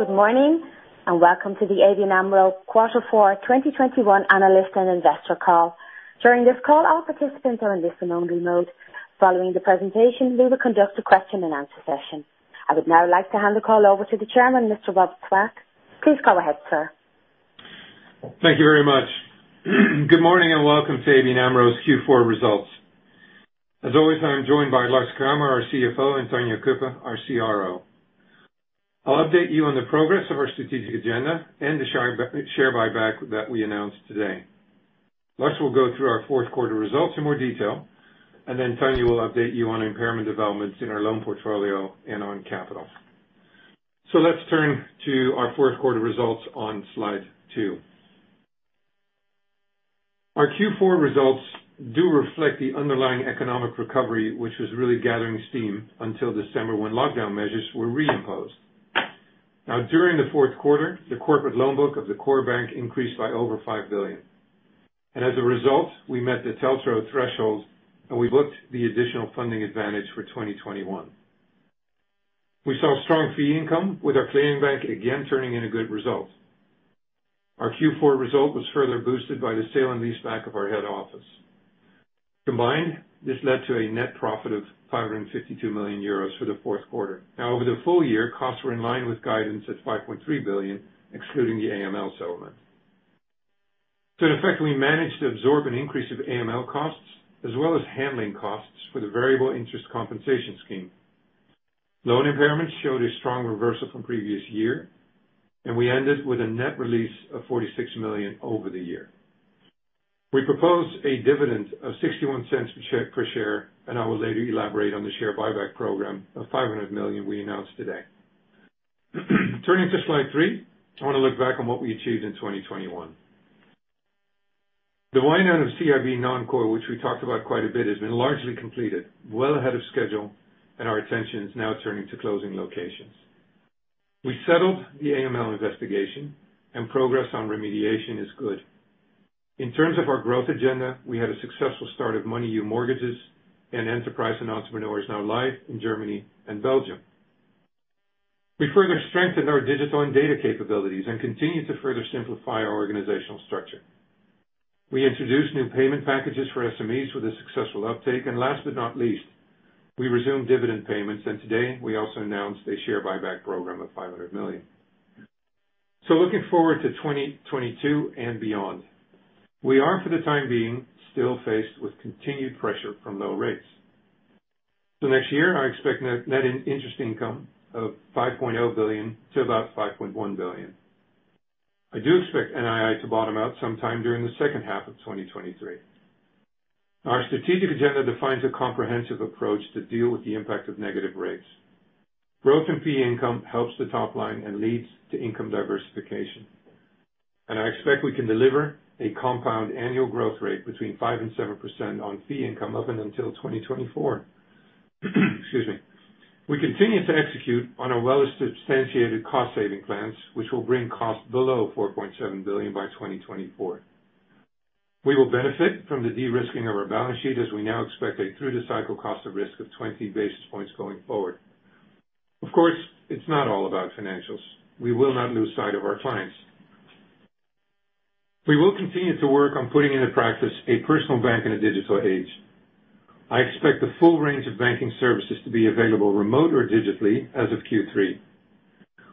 Good morning, and welcome to the ABN AMRO Q4 2021 Analyst and Investor Call. During this call, all participants are in listen-only mode. Following the presentation, we will conduct a question and answer session. I would now like to hand the call over to the Chairman, Mr. Robert Swaak. Please go ahead, sir. Thank you very much. Good morning, and welcome to ABN AMRO's Q4 results. As always, I'm joined by Lars Kramer, our CFO, and Tanja Cuppen, our CRO. I'll update you on the progress of our strategic agenda and the share buyback that we announced today. Lars will go through our fourth quarter results in more detail, and then Tanja will update you on impairment developments in our loan portfolio and on capital. Let's turn to our fourth quarter results on slide 2. Our Q4 results do reflect the underlying economic recovery, which was really gathering steam until December, when lockdown measures were reimposed. Now, during the fourth quarter, the corporate loan book of the core bank increased by over 5 billion. As a result, we met the TLTRO threshold, and we booked the additional funding advantage for 2021. We saw strong fee income with our clearing bank again, turning in a good result. Our Q4 result was further boosted by the sale and leaseback of our head office. Combined, this led to a net profit of 552 million euros for the fourth quarter. Now, over the full year, costs were in line with guidance at 5.3 billion, excluding the AML settlement. In effect, we managed to absorb an increase of AML costs as well as handling costs for the variable interest compensation scheme. Loan impairment showed a strong reversal from previous year, and we ended with a net release of 46 million over the year. We proposed a dividend of 0.61 per share, and I will later elaborate on the share buyback program of 500 million we announced today. Turning to slide 3, I want to look back on what we achieved in 2021. The wind-down of CIB non-core, which we talked about quite a bit, has been largely completed well ahead of schedule, and our attention is now turning to closing locations. We settled the AML investigation and progress on remediation is good. In terms of our growth agenda, we had a successful start of Moneyou mortgages and Enterprise and Entrepreneurs now live in Germany and Belgium. We further strengthened our digital and data capabilities and continue to further simplify our organizational structure. We introduced new payment packages for SMEs with a successful uptake. Last but not least, we resumed dividend payments, and today we also announced a share buyback program of 500 million. Looking forward to 2022 and beyond, we are for the time being, still faced with continued pressure from low rates. Next year I expect net interest income of 5.0 billion to about 5.1 billion. I do expect NII to bottom out sometime during the second half of 2023. Our strategic agenda defines a comprehensive approach to deal with the impact of negative rates. Growth in fee income helps the top line and leads to income diversification. I expect we can deliver a compound annual growth rate between 5% and 7% on fee income up until 2024. Excuse me. We continue to execute on our well-substantiated cost-saving plans, which will bring costs below 4.7 billion by 2024. We will benefit from the de-risking of our balance sheet as we now expect a through-the-cycle cost of risk of 20 basis points going forward. Of course, it's not all about financials. We will not lose sight of our clients. We will continue to work on putting into practice a personal bank in a digital age. I expect the full range of banking services to be available remote or digitally as of Q3.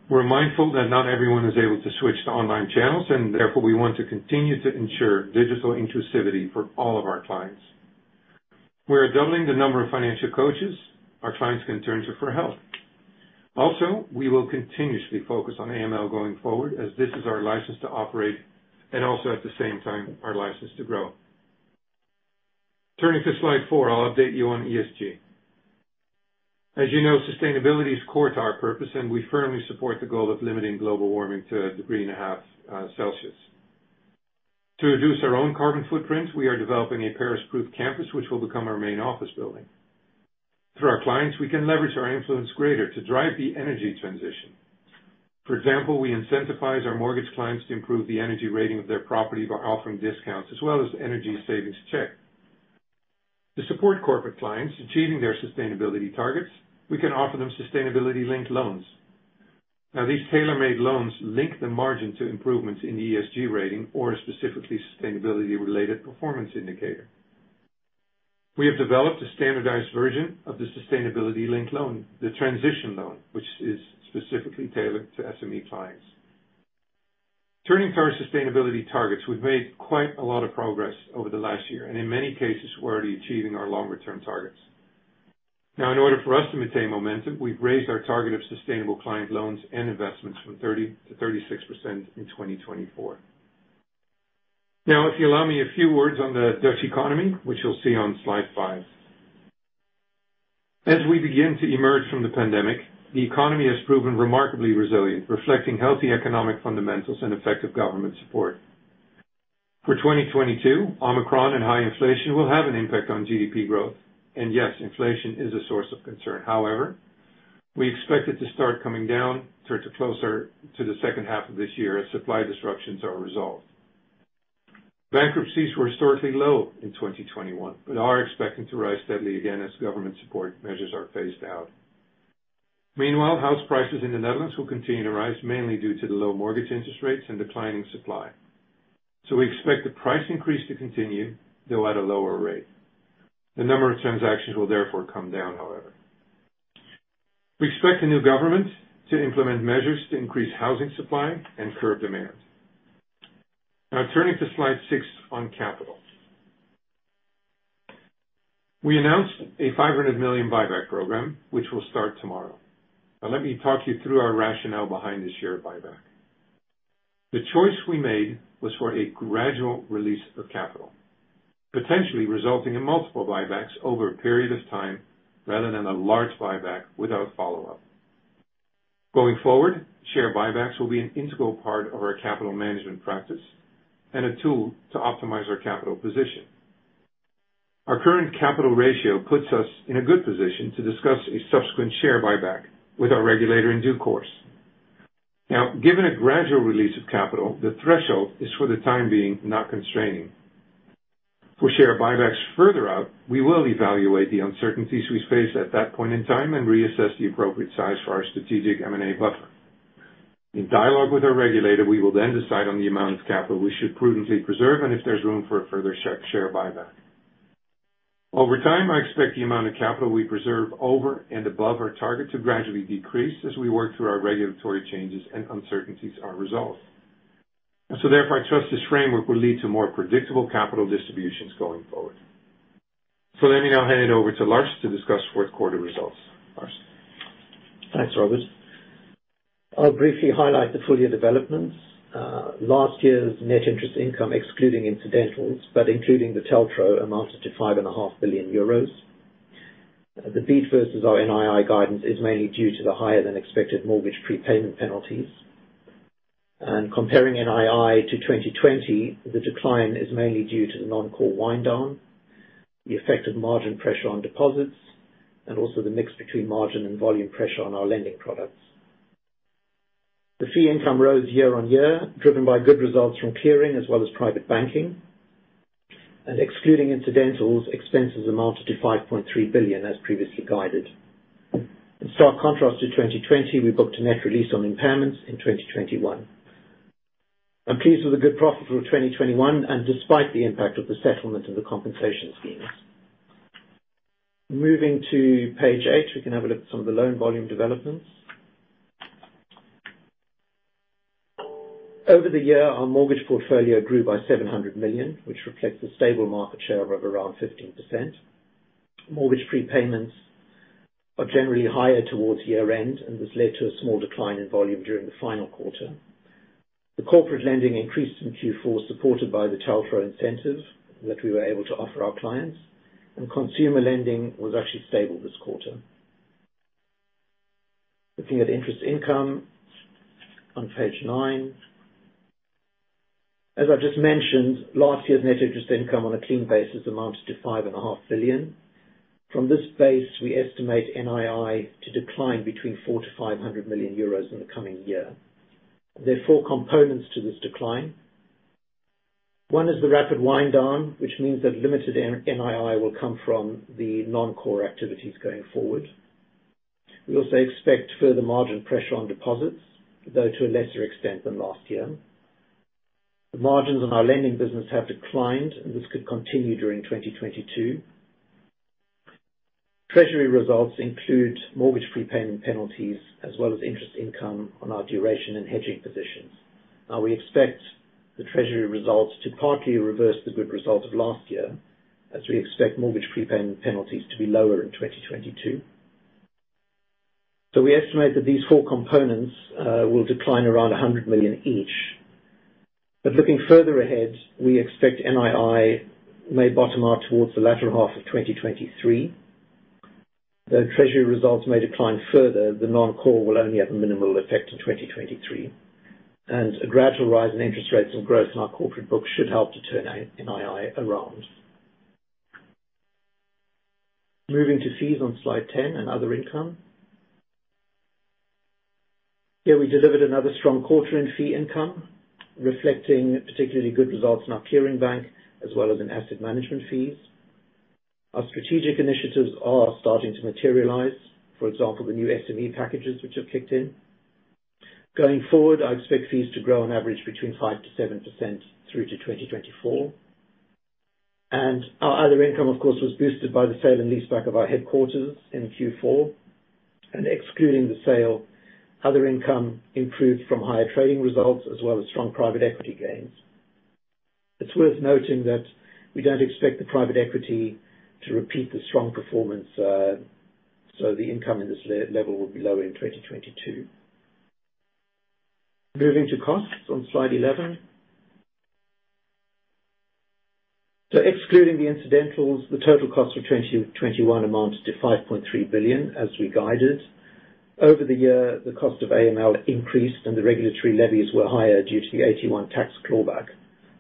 We're mindful that not everyone is able to switch to online channels and therefore we want to continue to ensure digital inclusivity for all of our clients. We are doubling the number of financial coaches our clients can turn to for help. Also, we will continuously focus on AML going forward as this is our license to operate and also at the same time, our license to grow. Turning to slide 4, I'll update you on ESG. As you know, sustainability is core to our purpose, and we firmly support the goal of limiting global warming to 1.5 degrees Celsius. To reduce our own carbon footprint, we are developing a Paris-proof campus, which will become our main office building. Through our clients, we can leverage our influence greater to drive the energy transition. For example, we incentivize our mortgage clients to improve the energy rating of their property by offering discounts as well as energy savings check. To support corporate clients achieving their sustainability targets, we can offer them sustainability-linked loans. Now, these tailor-made loans link the margin to improvements in ESG rating or specifically sustainability-related performance indicator. We have developed a standardized version of the sustainability-linked loan, the transition loan, which is specifically tailored to SME clients. Turning to our sustainability targets, we've made quite a lot of progress over the last year, and in many cases, we're already achieving our longer-term targets. Now, in order for us to maintain momentum, we've raised our target of sustainable client loans and investments from 30%-36% in 2024. Now, if you allow me a few words on the Dutch economy, which you'll see on slide 5. As we begin to emerge from the pandemic, the economy has proven remarkably resilient, reflecting healthy economic fundamentals and effective government support. For 2022, Omicron and high inflation will have an impact on GDP growth. Yes, inflation is a source of concern. However, we expect it to start coming down towards the closer to the second half of this year as supply disruptions are resolved. Bankruptcies were historically low in 2021, but are expecting to rise steadily again as government support measures are phased out. Meanwhile, house prices in the Netherlands will continue to rise, mainly due to the low mortgage interest rates and declining supply. We expect the price increase to continue, though at a lower rate. The number of transactions will therefore come down, however. We expect the new government to implement measures to increase housing supply and curb demand. Now turning to slide six on capital. We announced a 500 million buyback program which will start tomorrow. Now, let me talk you through our rationale behind this share buyback. The choice we made was for a gradual release of capital, potentially resulting in multiple buybacks over a period of time, rather than a large buyback without follow up. Going forward, share buybacks will be an integral part of our capital management practice and a tool to optimize our capital position. Our current capital ratio puts us in a good position to discuss a subsequent share buyback with our regulator in due course. Now, given a gradual release of capital, the threshold is for the time being not constraining. For share buybacks further out, we will evaluate the uncertainties we face at that point in time and reassess the appropriate size for our strategic M&A buffer. In dialogue with our regulator, we will then decide on the amount of capital we should prudently preserve and if there's room for a further share buyback. Over time, I expect the amount of capital we preserve over and above our target to gradually decrease as we work through our regulatory changes and uncertainties are resolved. I trust this framework will lead to more predictable capital distributions going forward. Let me now hand it over to Lars to discuss fourth quarter results. Lars. Thanks, Robert. I'll briefly highlight the full year developments. Last year's net interest income excluding incidentals, but including the TLTRO, amounted to five and a half billion euros. The beat versus our NII guidance is mainly due to the higher than expected mortgage prepayment penalties. Comparing NII to 2020, the decline is mainly due to the non-core wind-down, the effect of margin pressure on deposits, and also the mix between margin and volume pressure on our lending products. The fee income rose year on year, driven by good results from clearing as well as private banking. Excluding incidentals, expenses amounted to 5.3 billion as previously guided. In stark contrast to 2020, we booked a net release on impairments in 2021. I'm pleased with the good profit of 2021 and despite the impact of the settlement and the compensation schemes. Moving to page eight, we can have a look at some of the loan volume developments. Over the year, our mortgage portfolio grew by 700 million, which reflects a stable market share of around 15%. Mortgage prepayments are generally higher towards year-end and this led to a small decline in volume during the final quarter. The corporate lending increased in Q4, supported by the TLTRO incentive that we were able to offer our clients. Consumer lending was actually stable this quarter. Looking at interest income on page nine. As I've just mentioned, last year's net interest income on a clean basis amounted to 5.5 billion. From this base, we estimate NII to decline between 400 million-500 million euros in the coming year. There are four components to this decline. One is the rapid wind down, which means that limited NII will come from the non-core activities going forward. We also expect further margin pressure on deposits, though to a lesser extent than last year. The margins on our lending business have declined, and this could continue during 2022. Treasury results include mortgage prepayment penalties, as well as interest income on our duration and hedging positions. We expect the treasury results to partly reverse the good results of last year as we expect mortgage prepayment penalties to be lower in 2022. We estimate that these four components will decline around 100 million each. Looking further ahead, we expect NII may bottom out towards the latter half of 2023. Though treasury results may decline further, the non-core will only have a minimal effect in 2023, and a gradual rise in interest rates and growth in our corporate books should help to turn NII around. Moving to fees on slide 10 and other income. Here we delivered another strong quarter in fee income, reflecting particularly good results in our clearing bank, as well as in asset management fees. Our strategic initiatives are starting to materialize, for example, the new SME packages which have kicked in. Going forward, I expect fees to grow on average between 5%-7% through to 2024. Our other income, of course, was boosted by the sale and leaseback of our headquarters in Q4. Excluding the sale, other income improved from higher trading results as well as strong private equity gains. It's worth noting that we don't expect the private equity to repeat the strong performance, so the income in this level will be lower in 2022. Moving to costs on slide 11. Excluding the incidentals, the total cost for 2021 amounted to 5.3 billion as we guided. Over the year, the cost of AML increased and the regulatory levies were higher due to the AT1 tax clawback.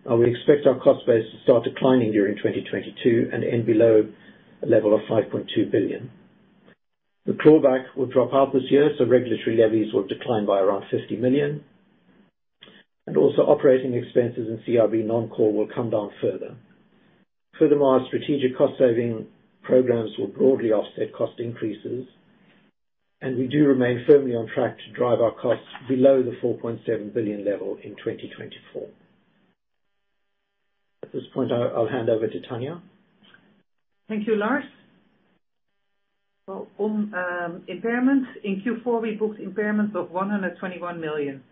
We expect our cost base to start declining during 2022 and end below a level of 5.2 billion. The clawback will drop out this year, so regulatory levies will decline by around 50 million. Also operating expenses in CIB non-core will come down further. Furthermore, strategic cost saving programs will broadly offset cost increases, and we do remain firmly on track to drive our costs below the 4.7 billion level in 2024. At this point, I'll hand over to Tanja. Thank you, Lars. Well, on impairments, in Q4, we booked impairments of 121 million.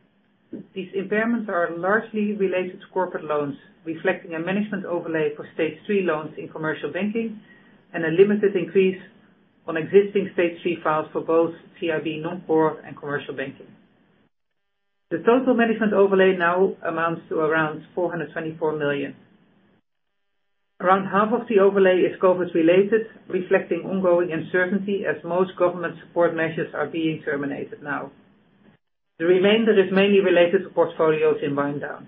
These impairments are largely related to corporate loans, reflecting a management overlay for stage three loans in commercial banking and a limited increase on existing stage three files for both CIB non-core and commercial banking. The total management overlay now amounts to around 424 million. Around half of the overlay is COVID-related, reflecting ongoing uncertainty as most government support measures are being terminated now. The remainder is mainly related to portfolios in wind-down.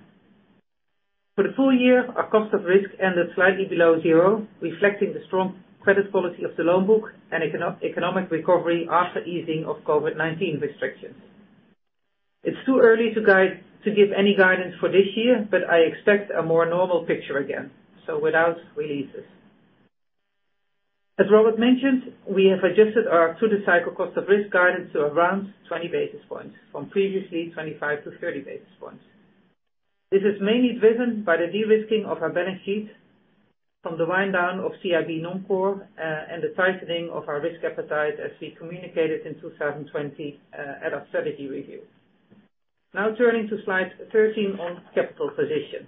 For the full year, our cost of risk ended slightly below zero, reflecting the strong credit quality of the loan book and economic recovery after easing of COVID-19 restrictions. It's too early to give any guidance for this year, but I expect a more normal picture again, so without releases. As Robert mentioned, we have adjusted our through the cycle cost of risk guidance to around 20 basis points from previously 25-30 basis points. This is mainly driven by the de-risking of our benefits from the wind down of CIB non-core and the tightening of our risk appetite as we communicated in 2020 at our strategy review. Now turning to slide 13 on capital position.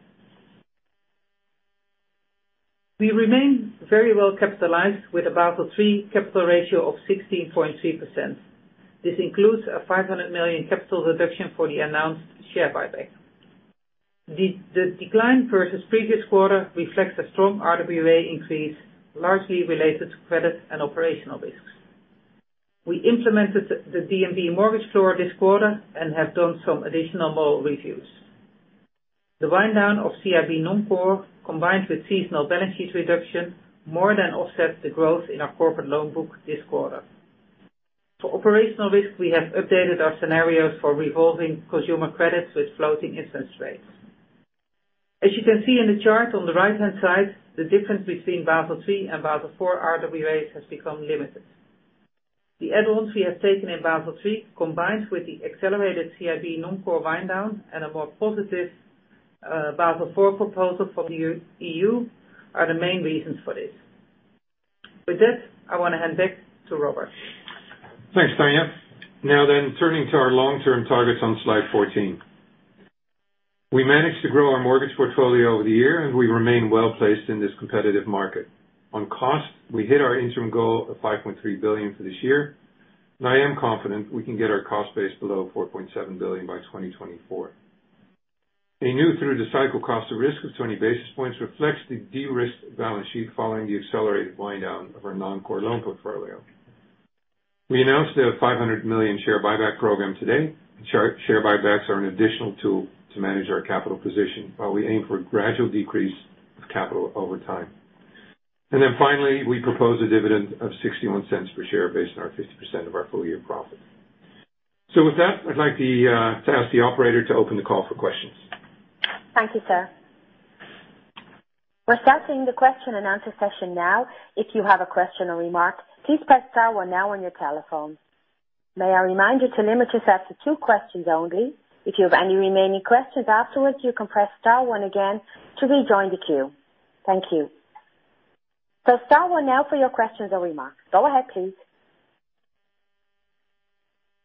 We remain very well capitalized with a Basel III capital ratio of 16.3%. This includes a 500 million capital reduction for the announced share buyback. The decline versus previous quarter reflects a strong RWA increase, largely related to credit and operational risks. We implemented the DNB mortgage floor this quarter and have done some additional model reviews. The wind down of CIB non-core, combined with seasonal balances reduction, more than offset the growth in our corporate loan book this quarter. For operational risk, we have updated our scenarios for revolving consumer credits with floating interest rates. As you can see in the chart on the right-hand side, the difference between Basel III and Basel IV RWAs has become limited. The add-ons we have taken in Basel III, combined with the accelerated CIB non-core wind down and a more positive Basel IV proposal from the EU, are the main reasons for this. With this, I wanna hand back to Robert. Thanks, Tanja. Now then, turning to our long-term targets on slide 14. We managed to grow our mortgage portfolio over the year, and we remain well-placed in this competitive market. On cost, we hit our interim goal of 5.3 billion for this year, and I am confident we can get our cost base below 4.7 billion by 2024. A new through-the-cycle cost of risk of 20 basis points reflects the de-risked balance sheet following the accelerated wind down of our non-core loan portfolio. We announced a 500 million share buyback program today. Share buybacks are an additional tool to manage our capital position, while we aim for a gradual decrease of capital over time. Finally, we propose a dividend of 0.61 per share based on our 50% of our full year profit. With that, I'd like to ask the operator to open the call for questions. Thank you, sir. We're starting the question and answer session now. If you have a question or remark, please press star one now on your telephone. May I remind you to limit yourself to two questions only. If you have any remaining questions afterwards, you can press star one again to rejoin the queue. Thank you. Star one now for your questions or remarks. Go ahead, please.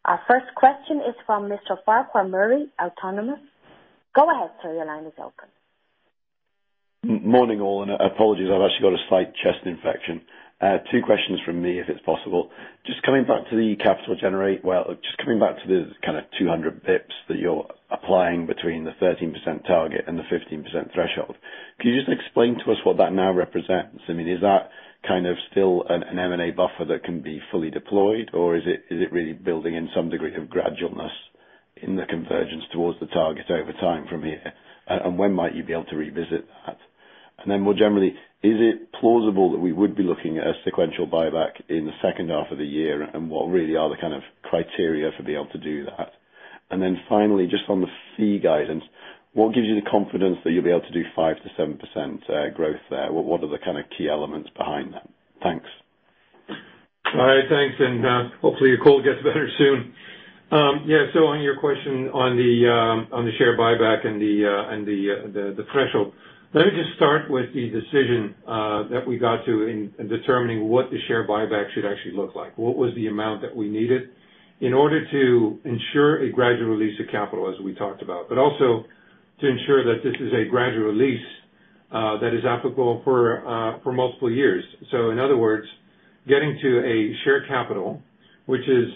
Our first question is from Mr. Farquhar Murray, Autonomous. Go ahead, sir. Your line is open. Morning, all, and apologies, I've actually got a slight chest infection. Two questions from me, if it's possible. Well, just coming back to the kind of 200 basis points that you're applying between the 13% target and the 15% threshold, can you just explain to us what that now represents? I mean, is that kind of still an M&A buffer that can be fully deployed, or is it really building in some degree of gradualness in the convergence towards the target over time from here? And when might you be able to revisit that? And then more generally, is it plausible that we would be looking at a sequential buyback in the second half of the year, and what really are the kind of criteria for being able to do that? Finally, just on the fee guidance, what gives you the confidence that you'll be able to do 5%-7% growth there? What are the kinda key elements behind that? Thanks. All right. Thanks. Hopefully your cold gets better soon. Yeah. On your question on the share buyback and the threshold. Let me just start with the decision that we got to in determining what the share buyback should actually look like. What was the amount that we needed in order to ensure a gradual release of capital, as we talked about, but also to ensure that this is a gradual release that is applicable for multiple years. In other words, getting to a share capital, which is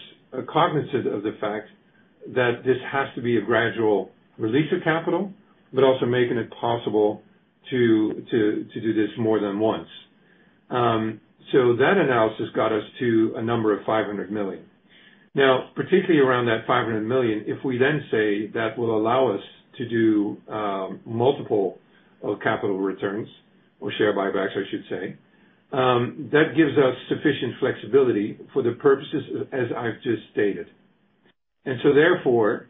cognizant of the fact that this has to be a gradual release of capital, but also making it possible to do this more than once. That analysis got us to a number of 500 million. Now, particularly around that 500 million, if we then say that will allow us to do multiple of capital returns or share buybacks, I should say, that gives us sufficient flexibility for the purposes as I've just stated. Therefore,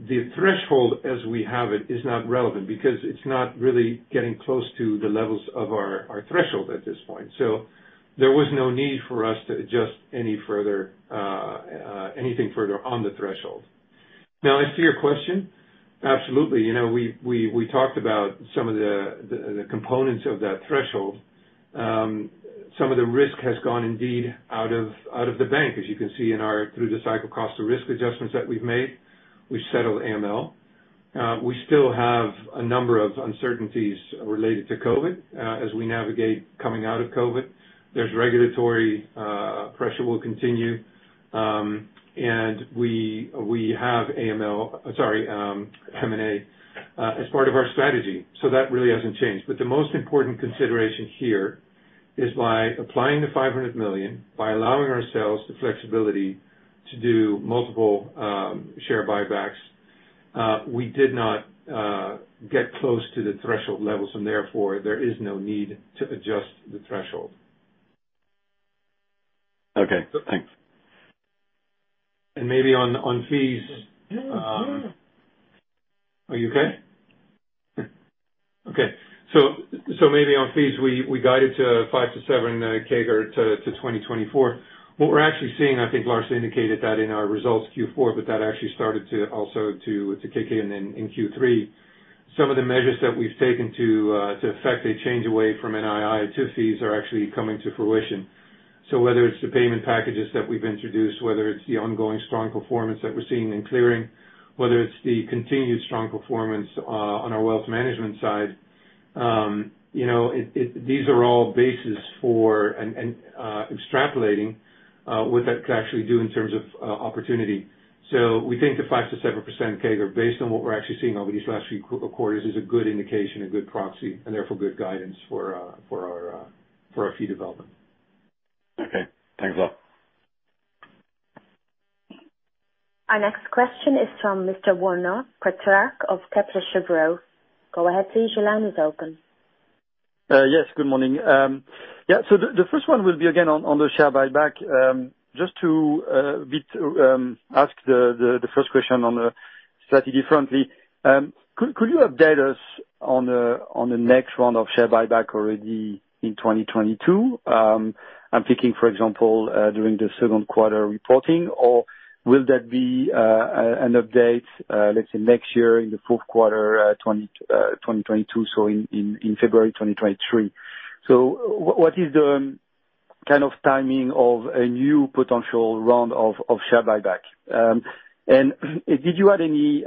the threshold as we have it is not relevant because it's not really getting close to the levels of our threshold at this point. There was no need for us to adjust any further anything further on the threshold. Now, as to your question, absolutely. You know, we talked about some of the components of that threshold. Some of the risk has gone indeed out of the bank, as you can see in our through the cycle cost of risk adjustments that we've made. We've settled AML. We still have a number of uncertainties related to COVID, as we navigate coming out of COVID. There's regulatory pressure will continue. We have M&A as part of our strategy. That really hasn't changed. The most important consideration here is by applying the 500 million, by allowing ourselves the flexibility to do multiple share buybacks, we did not get close to the threshold levels, and therefore there is no need to adjust the threshold. Okay. Thanks. Maybe on fees, we guided to 5%-7% CAGR to 2024. What we're actually seeing, I think Lars indicated that in our Q4 results, but that actually started to kick in in Q3. Some of the measures that we've taken to effect a change away from NII to fees are actually coming to fruition. Whether it's the payment packages that we've introduced, whether it's the ongoing strong performance that we're seeing in clearing, whether it's the continued strong performance on our wealth management side, you know, these are all bases for extrapolating what that could actually do in terms of opportunity. We think the 5%-7% CAGR, based on what we're actually seeing over these last few quarters, is a good indication, a good proxy, and therefore good guidance for our fee development. Okay. Thanks a lot. Our next question is from Mr. Benoît Pétrarque of Kepler Cheuvreux. Go ahead, please. Your line is open. Yes, good morning. The first one will be again on the share buyback. Just to ask the first question on the slightly differently, could you update us on the next round of share buyback already in 2022? I'm thinking, for example, during the second quarter reporting. Or will that be an update, let's say next year in the fourth quarter, 2022, so in February 2023? What is the kind of timing of a new potential round of share buyback? Did you have any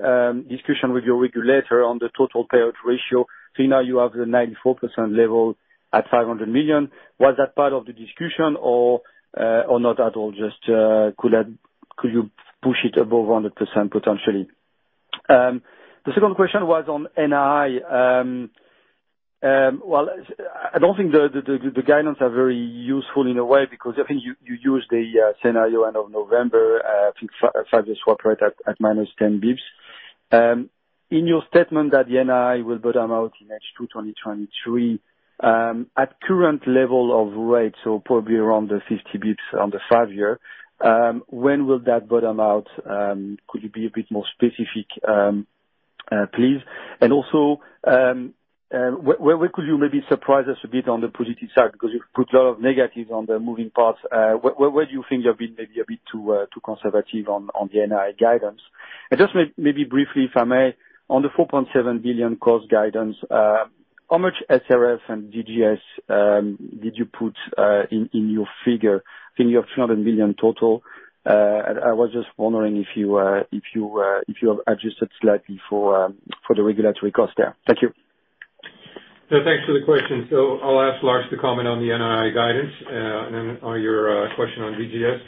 discussion with your regulator on the total payout ratio? Now you have the 94% level at 500 million. Was that part of the discussion or not at all? Just, could you push it above 100% potentially? The second question was on NII. Well, I don't think the guidance are very useful in a way because I think you used a scenario end of November, I think five-year swap rate at minus 10 bps. In your statement that the NII will bottom out in H2 2023, at current level of rates, so probably around the 50 bps on the 5-year, when will that bottom out? Could you be a bit more specific, please? Also, where could you maybe surprise us a bit on the positive side? Because you've put a lot of negatives on the moving parts. Where do you think you're being maybe a bit too conservative on the NII guidance? Just maybe briefly, if I may, on the 4.7 billion cost guidance, how much SRF and DGS did you put in your figure in your 300 million total? I was just wondering if you have adjusted slightly for the regulatory cost there. Thank you. Thanks for the question. I'll ask Lars to comment on the NII guidance, and then on your question on DGS.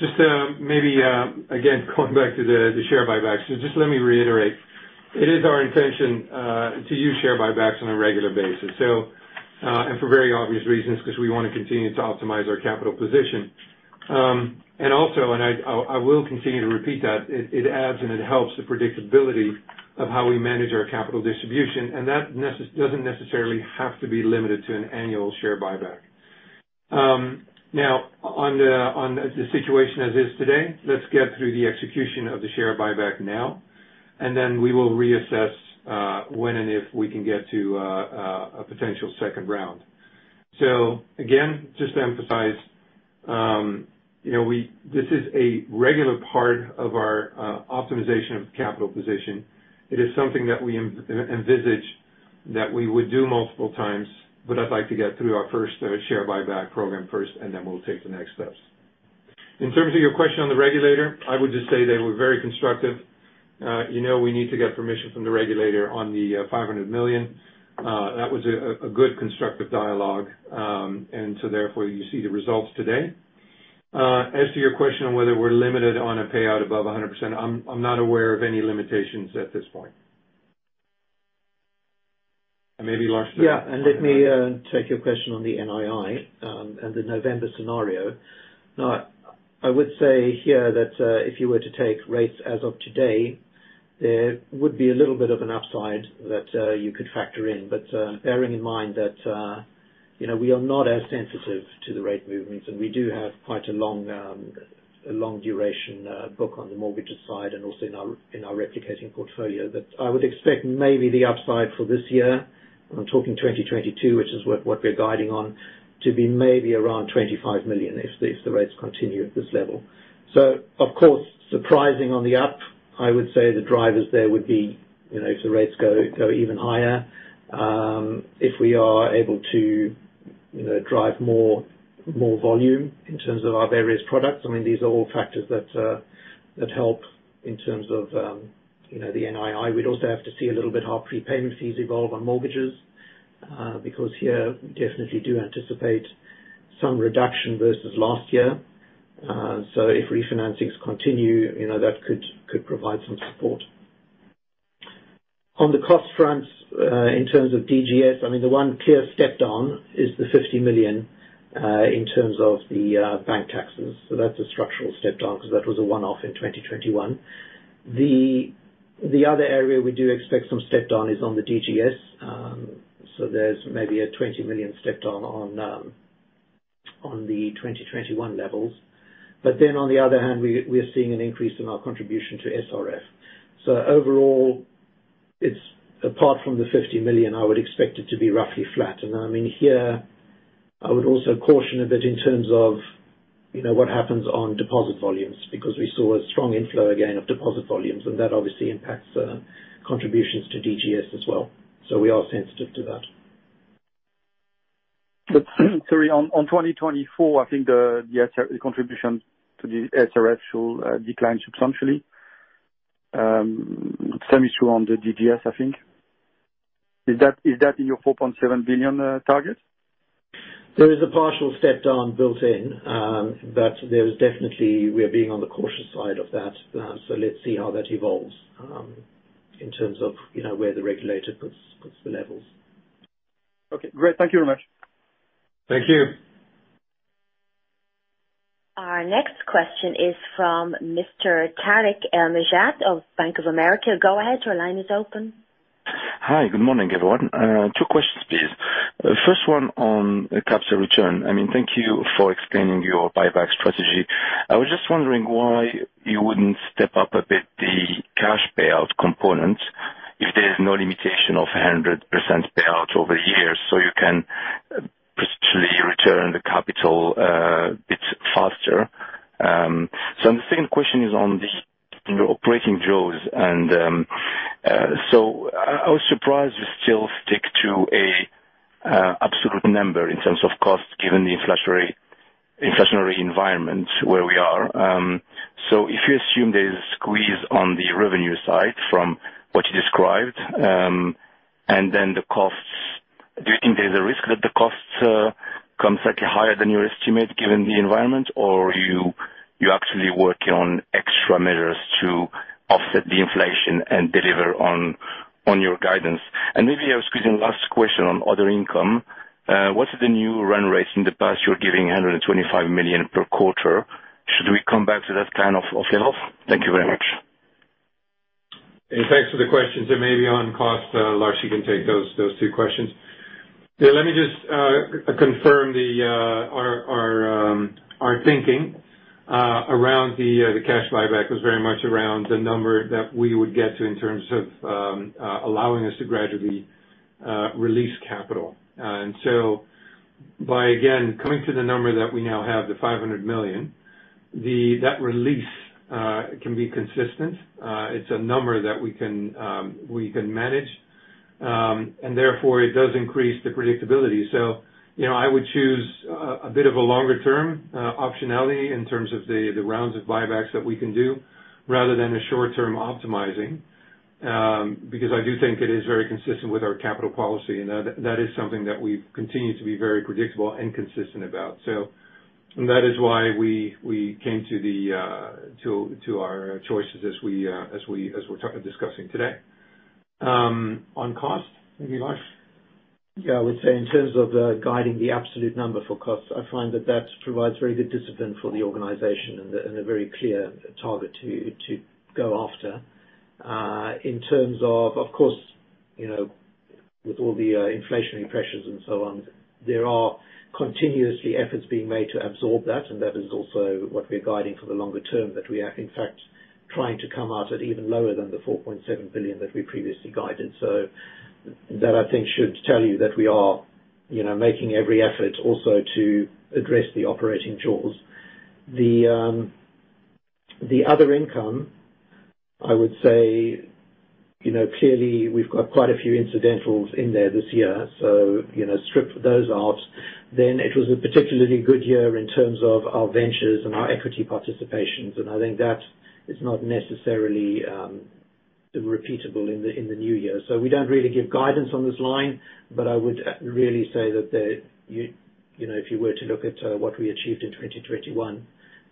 Just, maybe, again, going back to the share buybacks. Just let me reiterate, it is our intention to use share buybacks on a regular basis. For very obvious reasons, because we wanna continue to optimize our capital position. I will continue to repeat that, it adds and it helps the predictability of how we manage our capital distribution. That doesn't necessarily have to be limited to an annual share buyback. On the situation as is today, let's get through the execution of the share buyback now, and then we will reassess when and if we can get to a potential second round. Again, just to emphasize, you know, this is a regular part of our optimization of capital position. It is something that we envisage that we would do multiple times, but I'd like to get through our first share buyback program first, and then we'll take the next steps. In terms of your question on the regulator, I would just say they were very constructive. You know we need to get permission from the regulator on the 500 million. That was a good constructive dialogue. Therefore, you see the results today. As to your question on whether we're limited on a payout above 100%, I'm not aware of any limitations at this point. Maybe Lars- Yeah, let me take your question on the NII and the November scenario. Now, I would say here that if you were to take rates as of today, there would be a little bit of an upside that you could factor in, but bearing in mind that you know, we are not as sensitive to the rate movements, and we do have quite a long duration book on the mortgages side and also in our replicating portfolio, that I would expect maybe the upside for this year, I'm talking 2022, which is what we're guiding on, to be maybe around 25 million if the rates continue at this level. Of course, surprising on the up, I would say the drivers there would be, you know, if the rates go even higher, if we are able to, you know, drive more volume in terms of our various products, I mean, these are all factors that help in terms of, you know, the NII. We'd also have to see a little bit how prepayment fees evolve on mortgages, because here, we definitely do anticipate some reduction versus last year. If refinancings continue, you know, that could provide some support. On the cost front, in terms of DGS, I mean, the one clear step down is the 50 million in terms of the bank taxes. That's a structural step down because that was a one-off in 2021. The other area we do expect some step down is on the DGS. There's maybe a 20 million step down on the 2021 levels. Then on the other hand, we're seeing an increase in our contribution to SRF. Overall it's apart from the 50 million, I would expect it to be roughly flat. I mean, here, I would also caution a bit in terms of you know what happens on deposit volumes, because we saw a strong inflow again of deposit volumes, and that obviously impacts contributions to DGS as well. We are sensitive to that. Sorry, on 2024, I think the contribution to the SRF should decline substantially. Same is true on the DGS, I think. Is that in your 4.7 billion target? There is a partial step-down built in, but there is definitely we are being on the cautious side of that. Let's see how that evolves, in terms of, you know, where the regulator puts the levels. Okay, great. Thank you very much. Thank you. Our next question is from Mr. Tarik El Mejjad of Bank of America. Go ahead. Your line is open. Hi. Good morning, everyone. Two questions, please. First one on capital return. I mean, thank you for explaining your buyback strategy. I was just wondering why you wouldn't step up a bit the cash payout component if there is no limitation of 100% payout over years, so you can potentially return the capital a bit faster. The second question is on your operating jaws. I was surprised you still stick to an absolute number in terms of costs, given the inflationary environment where we are. If you assume there's a squeeze on the revenue side from what you described, and then the costs, do you think there's a risk that the costs come slightly higher than you estimate given the environment? Are you actually working on extra measures to offset the inflation and deliver on your guidance? Maybe squeeze in last question on other income. What is the new run rate? In the past you were giving 125 million per quarter. Should we come back to that kind of of payoff? Thank you very much. Thanks for the question. Maybe on cost, Lars, you can take those two questions. Yeah, let me just confirm our thinking around the cash buyback was very much around the number that we would get to in terms of allowing us to gradually release capital. By again coming to the number that we now have, the 500 million, that release can be consistent. It's a number that we can manage. Therefore it does increase the predictability. You know, I would choose a bit of a longer-term optionality in terms of the rounds of buybacks that we can do, rather than a short-term optimizing. Because I do think it is very consistent with our capital policy, and that is something that we've continued to be very predictable and consistent about. That is why we came to our choices as we're discussing today. On cost, maybe Lars? Yeah. I would say in terms of guiding the absolute number for costs, I find that provides very good discipline for the organization and a very clear target to go after. In terms of course, you know, with all the inflationary pressures and so on, there are continuous efforts being made to absorb that, and that is also what we're guiding for the longer term, that we are in fact trying to come out at even lower than the 4.7 billion that we previously guided. That I think should tell you that we are, you know, making every effort also to address the operating jaws. The other income, I would say, you know, clearly we've got quite a few incidentals in there this year. You know, strip those out. It was a particularly good year in terms of our ventures and our equity participations, and I think that is not necessarily repeatable in the new year. We don't really give guidance on this line, but I would really say that you know if you were to look at what we achieved in 2021,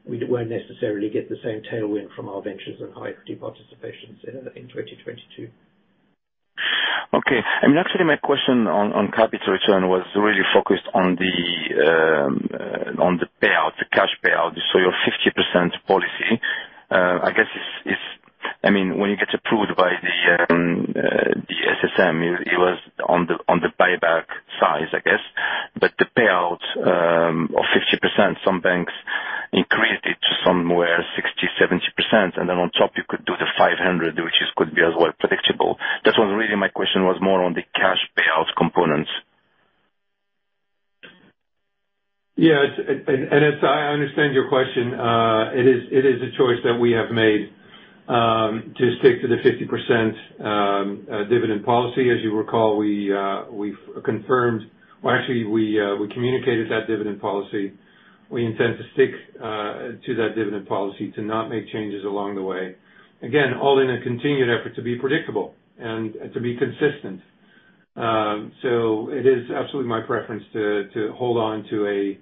we won't necessarily get the same tailwind from our ventures and our equity participations in 2022. Okay. I mean, actually my question on capital return was really focused on the payout, the cash payout, so your 50% policy. I guess. I mean, when you get approved by the SSM, it was on the buyback size, I guess. The payout of 50%, some banks increased it to somewhere 60%-70%, and then on top you could do the 500, which could be as well predictable. That was really my question, was more on the cash payout components. As I understand your question, it is a choice that we have made to stick to the 50% dividend policy. As you recall, actually, we communicated that dividend policy. We intend to stick to that dividend policy to not make changes along the way. Again, all in a continued effort to be predictable and to be consistent. It is absolutely my preference to hold on to a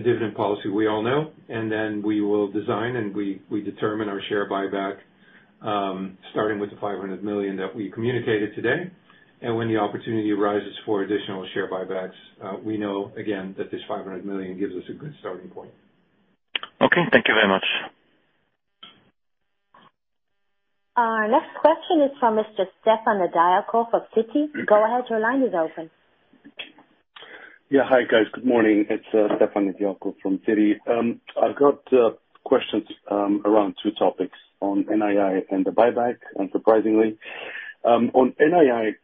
dividend policy we all know, and then we will design and we determine our share buyback starting with the 500 million that we communicated today. When the opportunity arises for additional share buybacks, we know, again, that this 500 million gives us a good starting point. Okay. Thank you very much. Our next question is from Mr. Stefan Nedialkov for Citi. Go ahead, your line is open. Hi, guys. Good morning. It's Stefan Nedialkov from Citi. I've got questions around two topics, on NII and the buyback, unsurprisingly. On NII,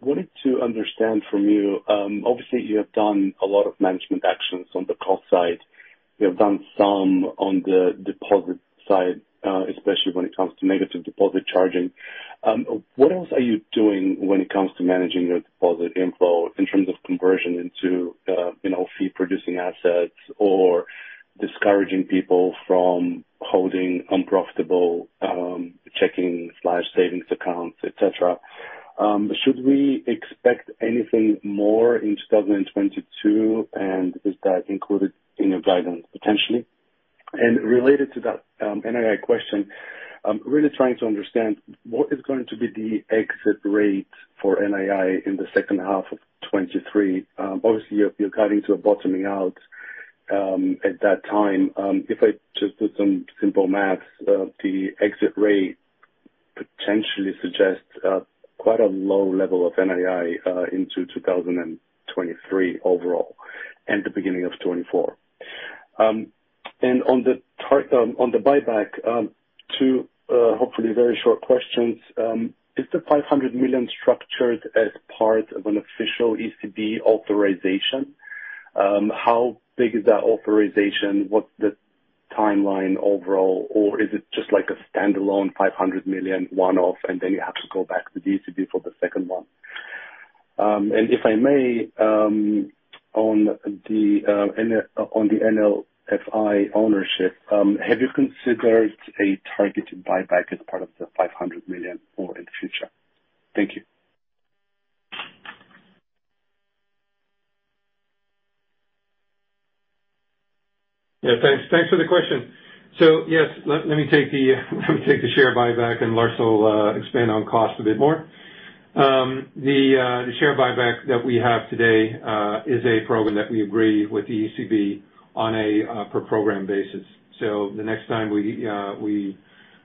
wanted to understand from you, obviously you have done a lot of management actions on the cost side. You have done some on the deposit side, especially when it comes to negative deposit charging. What else are you doing when it comes to managing your deposit inflow in terms of conversion into, you know, fee producing assets or discouraging people from holding unprofitable, checking/savings accounts, et cetera? Should we expect anything more in 2022? And is that included in your guidance potentially? Related to that NII question, I'm really trying to understand what is going to be the exit rate for NII in the second half of 2023. Obviously you're cutting to a bottoming out at that time. If I just do some simple math, the exit rate potentially suggests quite a low level of NII into 2023 overall, and the beginning of 2024. On the buyback, two hopefully very short questions. Is the 500 million structured as part of an official ECB authorization? How big is that authorization? What's the timeline overall? Or is it just like a standalone 500 million one-off, and then you have to go back to the ECB for the second one? If I may, on the NLFI ownership, have you considered a targeted buyback as part of the 500 million or in the future? Thank you. Yeah, thanks. Thanks for the question. Yes, let me take the share buyback, and Lars will expand on cost a bit more. The share buyback that we have today is a program that we agree with the ECB on a per program basis. The next time we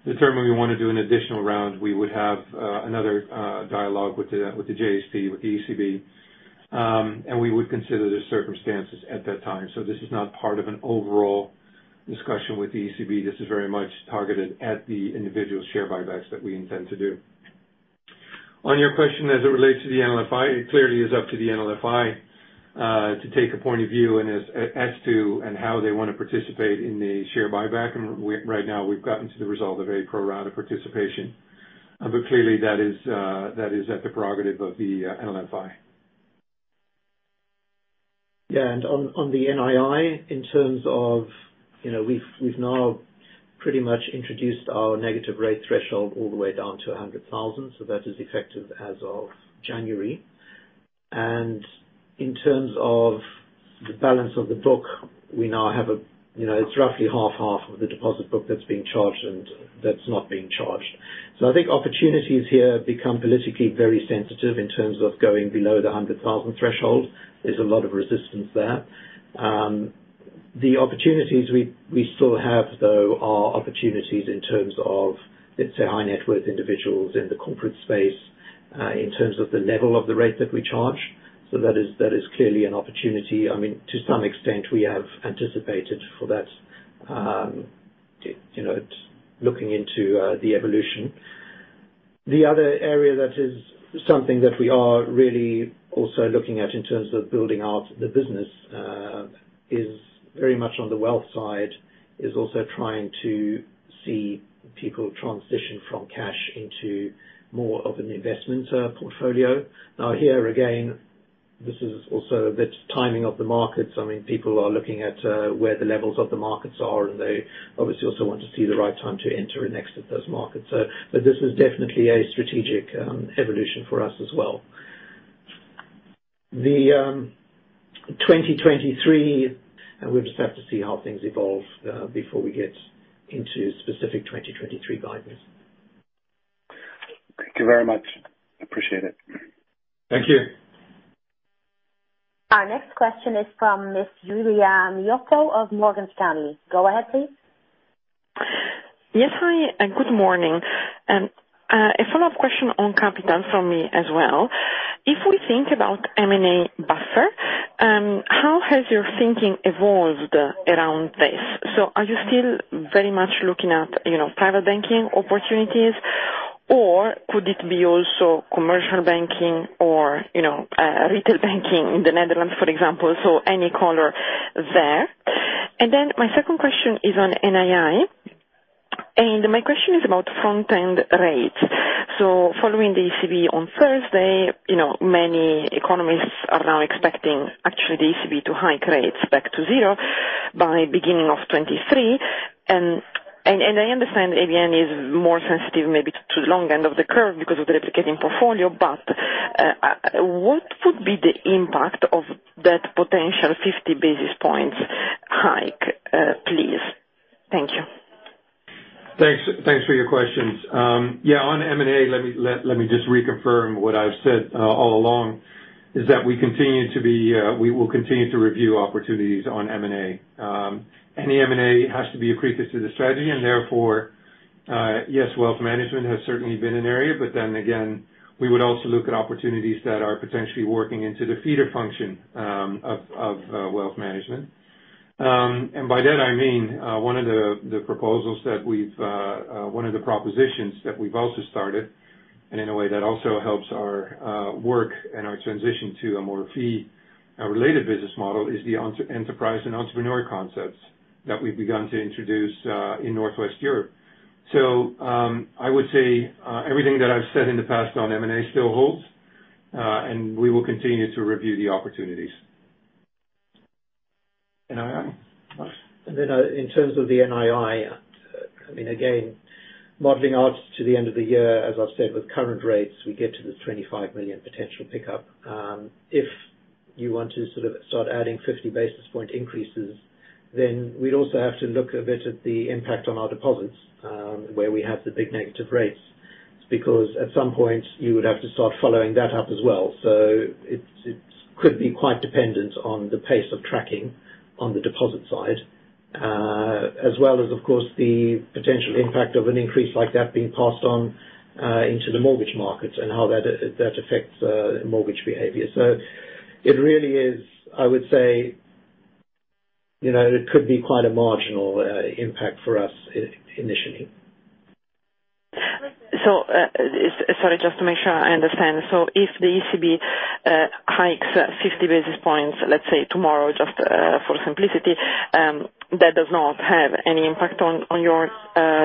determine we wanna do an additional round, we would have another dialogue with the JST with the ECB, and we would consider the circumstances at that time. This is not part of an overall discussion with the ECB. This is very much targeted at the individual share buybacks that we intend to do. On your question as it relates to the NLFI, it clearly is up to the NLFI to take a point of view and as to how they wanna participate in the share buyback. Right now we've gotten to the result of a pro rata participation. Clearly that is at the prerogative of the NLFI. Yeah. On the NII, in terms of, you know, we've now pretty much introduced our negative rate threshold all the way down to 100,000, so that is effective as of January. In terms of the balance of the book, we now have, you know, it's roughly half/half of the deposit book that's being charged and that's not being charged. I think opportunities here become politically very sensitive in terms of going below the 100,000 threshold. There's a lot of resistance there. The opportunities we still have, though, are opportunities in terms of, let's say, high net worth individuals in the corporate space, in terms of the level of the rate that we charge. That is clearly an opportunity. I mean, to some extent we have anticipated for that, you know, looking into the evolution. The other area that is something that we are really also looking at in terms of building out the business is very much on the wealth side, is also trying to see people transition from cash into more of an investment portfolio. Now, here again, this is also a bit timing of the markets. I mean, people are looking at where the levels of the markets are, and they obviously also want to see the right time to enter and exit those markets. This is definitely a strategic evolution for us as well. 2023, and we'll just have to see how things evolve before we get into specific 2023 guidance. Thank you very much. Appreciate it. Thank you. Our next question is from Miss Giulia Miotto of Morgan Stanley. Go ahead, please. Yes. Hi, and good morning. A follow-up question on capital from me as well. If we think about M&A buffer, how has your thinking evolved around this? Are you still very much looking at, you know, private banking opportunities, or could it be also commercial banking or, you know, retail banking in the Netherlands, for example? Any color there. My second question is on NII, and my question is about front-end rates. Following the ECB on Thursday, you know, many economists are now expecting actually the ECB to hike rates back to zero by beginning of 2023. I understand ABN is more sensitive maybe to long end of the curve because of the replicating portfolio. What would be the impact of that potential 50 basis points hike, please? Thank you. Thanks. Thanks for your questions. Yeah, on M&A let me just reconfirm what I've said all along is that we will continue to review opportunities on M&A. Any M&A has to be accretive to the strategy and therefore yes, wealth management has certainly been an area. Again, we would also look at opportunities that are potentially working into the feeder function of wealth management. By that I mean one of the propositions that we've also started, and in a way that also helps our work and our transition to a more fee-related business model, is the enterprise and entrepreneur concepts that we've begun to introduce in Northwest Europe. I would say everything that I've said in the past on M&A still holds, and we will continue to review the opportunities. NII? Then, in terms of the NII, I mean, again, modeling out to the end of the year, as I've said, with current rates, we get to the 25 million potential pickup. If you want to sort of start adding 50 basis point increases, then we'd also have to look a bit at the impact on our deposits, where we have the big negative rates, because at some point you would have to start following that up as well. It's quite dependent on the pace of tracking on the deposit side, as well as, of course, the potential impact of an increase like that being passed on into the mortgage markets and how that affects mortgage behavior. It really is, I would say, you know, it could be quite a marginal impact for us initially. Sorry, just to make sure I understand. If the ECB hikes 50 basis points, let's say tomorrow, just for simplicity, that does not have any impact on your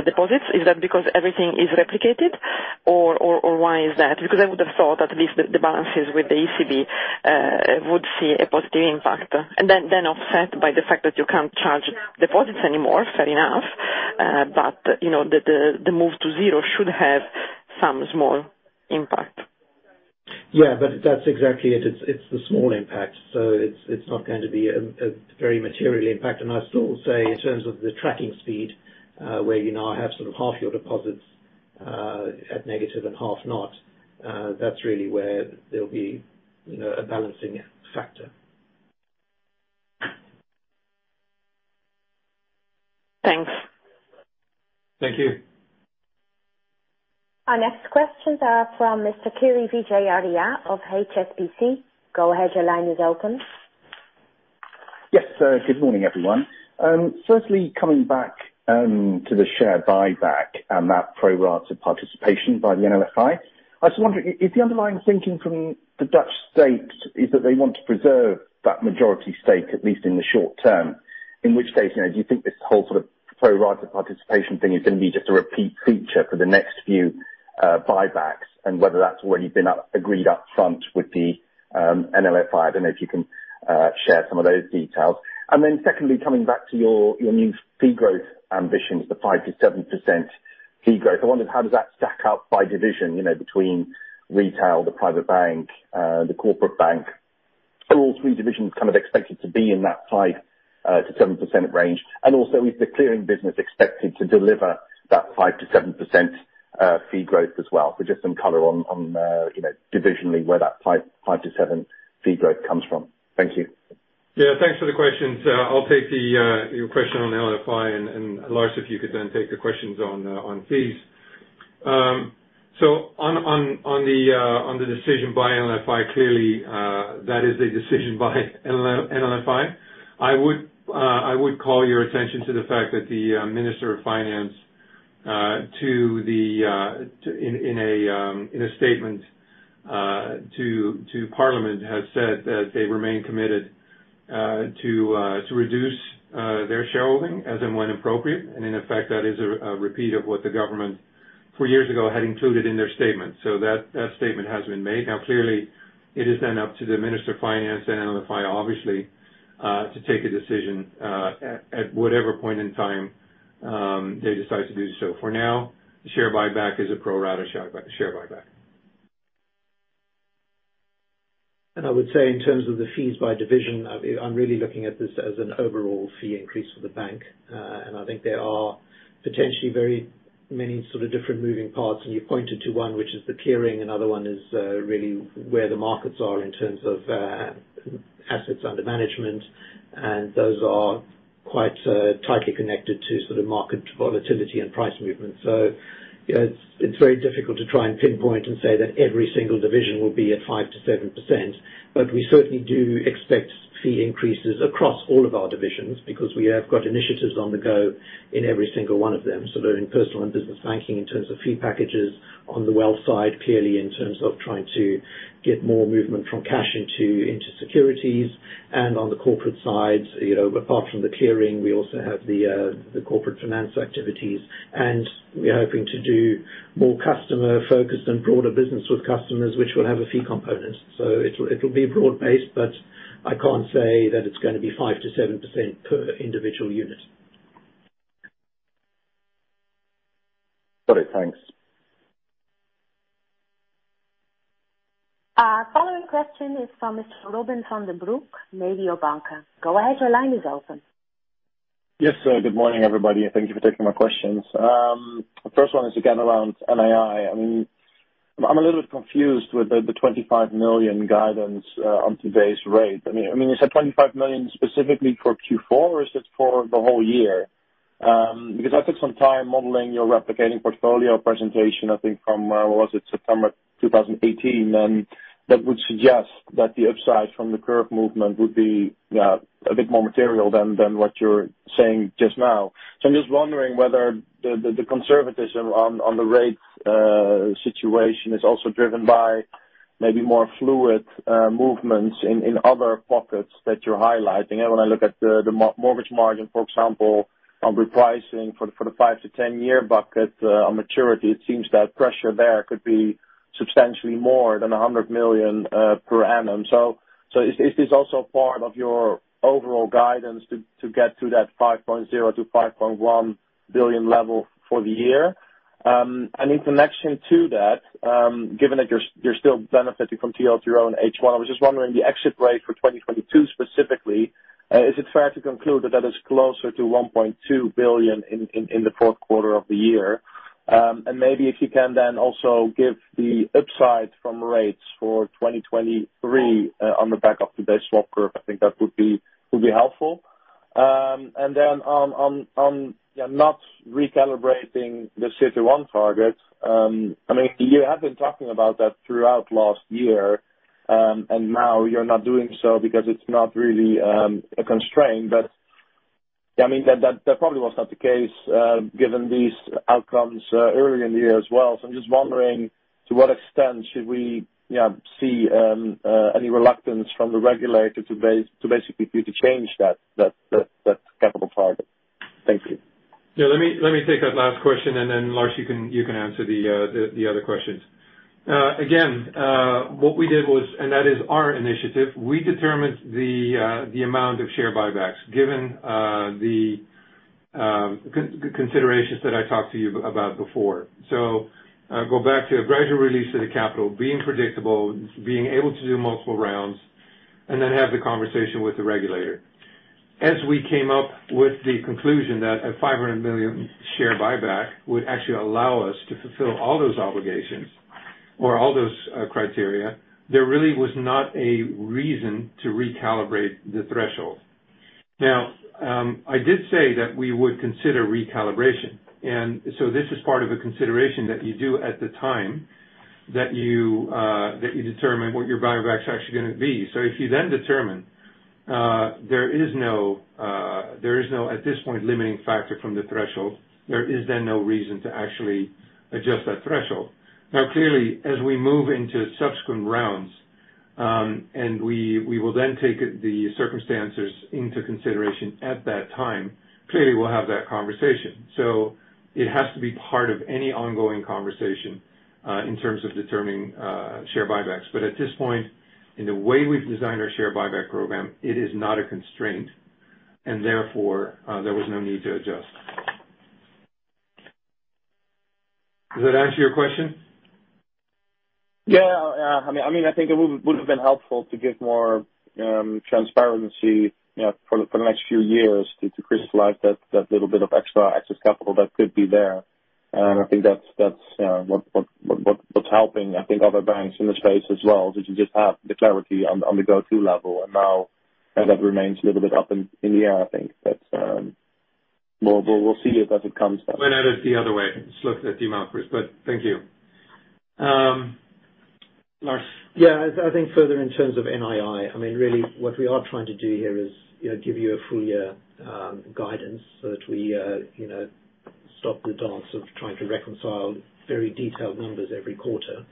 deposits, is that because everything is replicated or why is that? Because I would've thought at least the balances with the ECB would see a positive impact, and then offset by the fact that you can't charge deposits anymore, fair enough. You know, the move to zero should have some small impact. Yeah, that's exactly it. It's the small impact. It's not going to be a very material impact. I still say in terms of the tracking speed, where you now have sort of half your deposits at negative and half not, that's really where there'll be, you know, a balancing factor. Thanks. Thank you. Our next questions are from Mr. Kirishanthan Vijayarajah of HSBC. Go ahead, your line is open. Yes, sir. Good morning, everyone. Firstly, coming back to the share buyback and that pro rata participation by the NLFI. I was wondering, is the underlying thinking from the Dutch state that they want to preserve that majority stake, at least in the short term? In which case, you know, do you think this whole sort of pro rata participation thing is gonna be just a repeat feature for the next few buybacks, and whether that's already been agreed up front with the NLFI? I don't know if you can share some of those details. Then secondly, coming back to your new fee growth ambitions, the 5%-7% fee growth. I wondered, how does that stack up by division, you know, between retail, the private bank, the corporate bank? Are all three divisions kind of expected to be in that 5%-7% range? Also is the clearing business expected to deliver that 5%-7% fee growth as well? Just some color on you know divisionally where that 5%-7% fee growth comes from. Thank you. Yeah, thanks for the questions. I'll take your question on NLFI, and Lars, if you could then take the questions on fees. On the decision by NLFI, clearly that is a decision by NLFI. I would call your attention to the fact that the Minister of Finance, in a statement to parliament, has said that they remain committed to reduce their shareholding as and when appropriate. In effect, that is a repeat of what the government four years ago had included in their statement. That statement has been made. Now clearly it is then up to the Minister of Finance and NLFI obviously to take a decision at whatever point in time they decide to do so. For now, the share buyback is a pro rata share buyback. I would say in terms of the fees by division, I'm really looking at this as an overall fee increase for the bank. I think there are potentially very many sort of different moving parts, and you pointed to one, which is the clearing. Another one is really where the markets are in terms of assets under management. Those are quite tightly connected to sort of market volatility and price movement. It's very difficult to try and pinpoint and say that every single division will be at 5%-7%. We certainly do expect fee increases across all of our divisions because we have got initiatives on the go in every single one of them. In personal and business banking, in terms of fee packages, on the wealth side, clearly in terms of trying to get more movement from cash into securities. On the corporate side, you know, apart from the clearing, we also have the corporate finance activities. We're hoping to do more customer-focused and broader business with customers, which will have a fee component. It'll be broad-based, but I can't say that it's gonna be 5%-7% per individual unit. Got it. Thanks. Following question is from Mr. Robin van de Broek, Rabobank. Go ahead, your line is open. Yes. Good morning, everybody, and thank you for taking my questions. The first one is again around NII. I mean, I'm a little bit confused with the 25 million guidance on today's rate. I mean, is that 25 million specifically for Q4, or is it for the whole year? Because I took some time modeling your replicating portfolio presentation, I think from September 2018. That would suggest that the upside from the curve movement would be a bit more material than what you're saying just now. I'm just wondering whether the conservatism on the rates situation is also driven by maybe more fluid movements in other pockets that you're highlighting. When I look at the mortgage margin, for example, on repricing for the 5- to 10-year bucket on maturity, it seems that pressure there could be substantially more than 100 million per annum. Is this also part of your overall guidance to get to that 5.0 billion-5.1 billion level for the year? In connection to that, given that you're still benefiting from TLTRO and H1, I was just wondering the exit rate for 2022 specifically, is it fair to conclude that that is closer to 1.2 billion in the fourth quarter of the year? And maybe if you can then also give the upside from rates for 2023 on the back of today's swap curve, I think that would be helpful. Not recalibrating the CET1 target, I mean, you have been talking about that throughout last year, and now you're not doing so because it's not really a constraint. I mean, that probably was not the case, given these outcomes earlier in the year as well. I'm just wondering to what extent should we, you know, see any reluctance from the regulator to basically force you to change that capital target? Thank you. Yeah, let me take that last question, and then Lars, you can answer the other questions. Again, what we did was, that is our initiative, we determined the amount of share buybacks given the considerations that I talked to you about before. Go back to a gradual release of the capital, being predictable, being able to do multiple rounds, and then have the conversation with the regulator. As we came up with the conclusion that a 500 million share buyback would actually allow us to fulfill all those obligations or all those criteria, there really was not a reason to recalibrate the threshold. Now, I did say that we would consider recalibration, and this is part of a consideration that you do at the time that you determine what your buyback's actually gonna be. If you then determine there is no at this point limiting factor from the threshold, there is then no reason to actually adjust that threshold. Now, clearly, as we move into subsequent rounds, and we will then take the circumstances into consideration at that time, clearly we'll have that conversation. It has to be part of any ongoing conversation in terms of determining share buybacks. At this point, in the way we've designed our share buyback program, it is not a constraint, and therefore there was no need to adjust. Does that answer your question? Yeah. I mean, I think it would have been helpful to give more transparency, you know, for the next few years to crystallize that little bit of extra excess capital that could be there. I think that's what's helping, I think, other banks in the space as well, is you just have the clarity on the go-forward level. Now, you know, that remains a little bit up in the air, I think. That's. We'll see it as it comes up. Well, no, that's the other way. Let's look at the amount first. Thank you. Lars. Yeah. As I think further in terms of NII, I mean, really what we are trying to do here is, you know, give you a full year guidance so that we, you know, stop the dance of trying to reconcile very detailed numbers every quarter.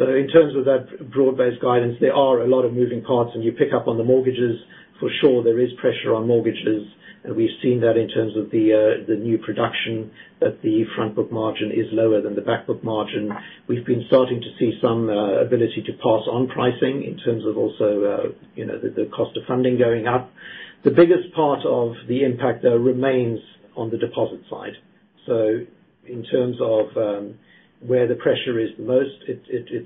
In terms of that broad-based guidance, there are a lot of moving parts, and you pick up on the mortgages. For sure, there is pressure on mortgages. We've seen that in terms of the new production, that the front book margin is lower than the back book margin. We've been starting to see some ability to pass on pricing in terms of also, you know, the cost of funding going up. The biggest part of the impact though remains on the deposit side. In terms of where the pressure is the most, it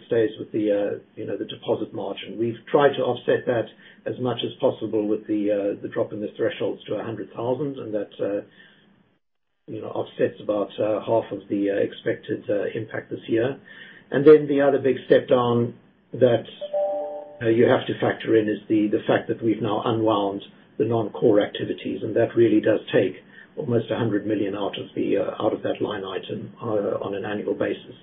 stays with you know the deposit margin. We've tried to offset that as much as possible with the drop in the thresholds to 100,000. That you know offsets about half of the expected impact this year. Then the other big step down that you have to factor in is the fact that we've now unwound the non-core activities, and that really does take almost 100 million out of that line item on an annual basis.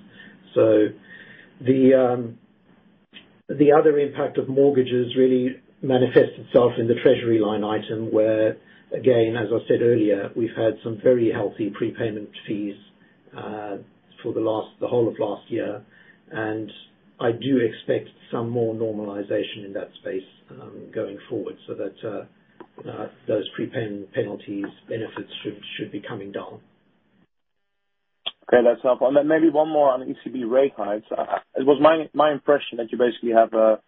The other impact of mortgages really manifests itself in the treasury line item, where, again, as I said earlier, we've had some very healthy prepayment fees for the whole of last year, and I do expect some more normalization in that space, going forward so that those prepay penalties benefits should be coming down. Okay, that's helpful. Then maybe one more on ECB rate hikes. It was my impression that you basically have a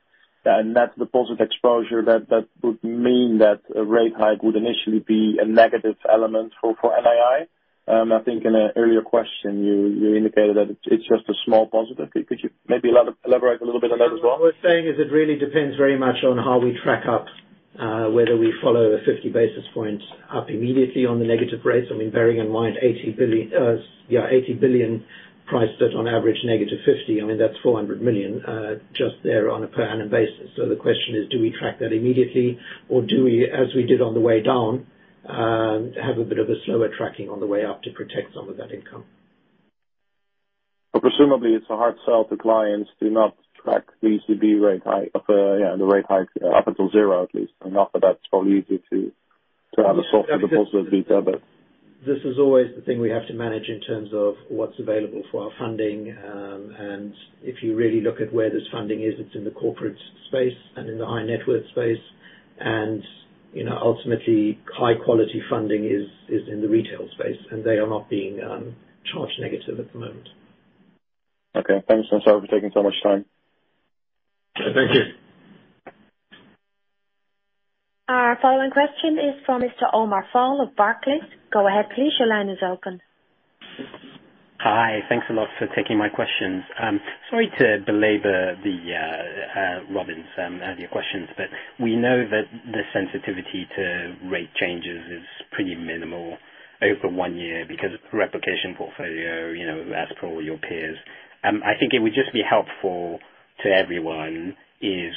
net deposit exposure that would mean that a rate hike would initially be a negative element for NII. I think in an earlier question, you indicated that it's just a small positive. Could you maybe elaborate a little bit on that as well? What we're saying is it really depends very much on how we track up, whether we follow a 50 basis points up immediately on the negative rates. I mean, bearing in mind 80 billion, yeah, 80 billion priced at, on average, negative 50, I mean that's 400 million just there on a per annum basis. The question is, do we track that immediately or do we, as we did on the way down, have a bit of a slower tracking on the way up to protect some of that income? Presumably it's a hard sell to clients to not track the ECB rate hike up until 0 at least. After that, it's probably easy to have a softer deposit beta, but. This is always the thing we have to manage in terms of what's available for our funding. If you really look at where this funding is, it's in the corporate space and in the high net worth space. You know, ultimately high quality funding is in the retail space, and they are not being charged negative at the moment. Okay. Thanks. I'm sorry for taking so much time. Thank you. Our following question is from Mr. Omar Fall of Barclays. Go ahead, please. Your line is open. Hi. Thanks a lot for taking my questions. Sorry to belabor the Robin van den Broek's earlier questions, but we know that the sensitivity to rate changes is pretty minimal over 1 year because replication portfolio, you know, as per all your peers. I think it would just be helpful to everyone,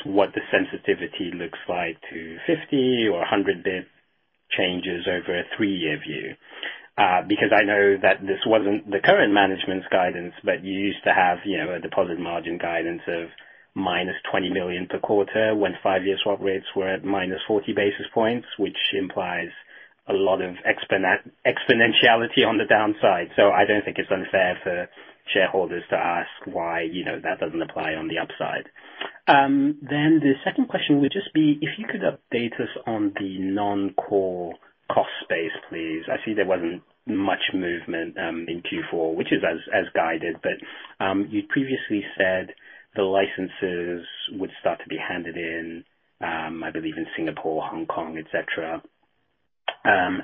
what the sensitivity looks like to 50 or 100 basis point changes over a 3-year view. Because I know that this wasn't the current management's guidance, but you used to have, you know, a deposit margin guidance of -20 million per quarter when 5-year swap rates were at -40 basis points, which implies a lot of exponentiality on the downside. I don't think it's unfair for shareholders to ask why, you know, that doesn't apply on the upside. The second question would just be if you could update us on the non-core cost space, please. I see there wasn't much movement in Q4, which is as guided, but you previously said the licenses would start to be handed in, I believe in Singapore, Hong Kong, et cetera,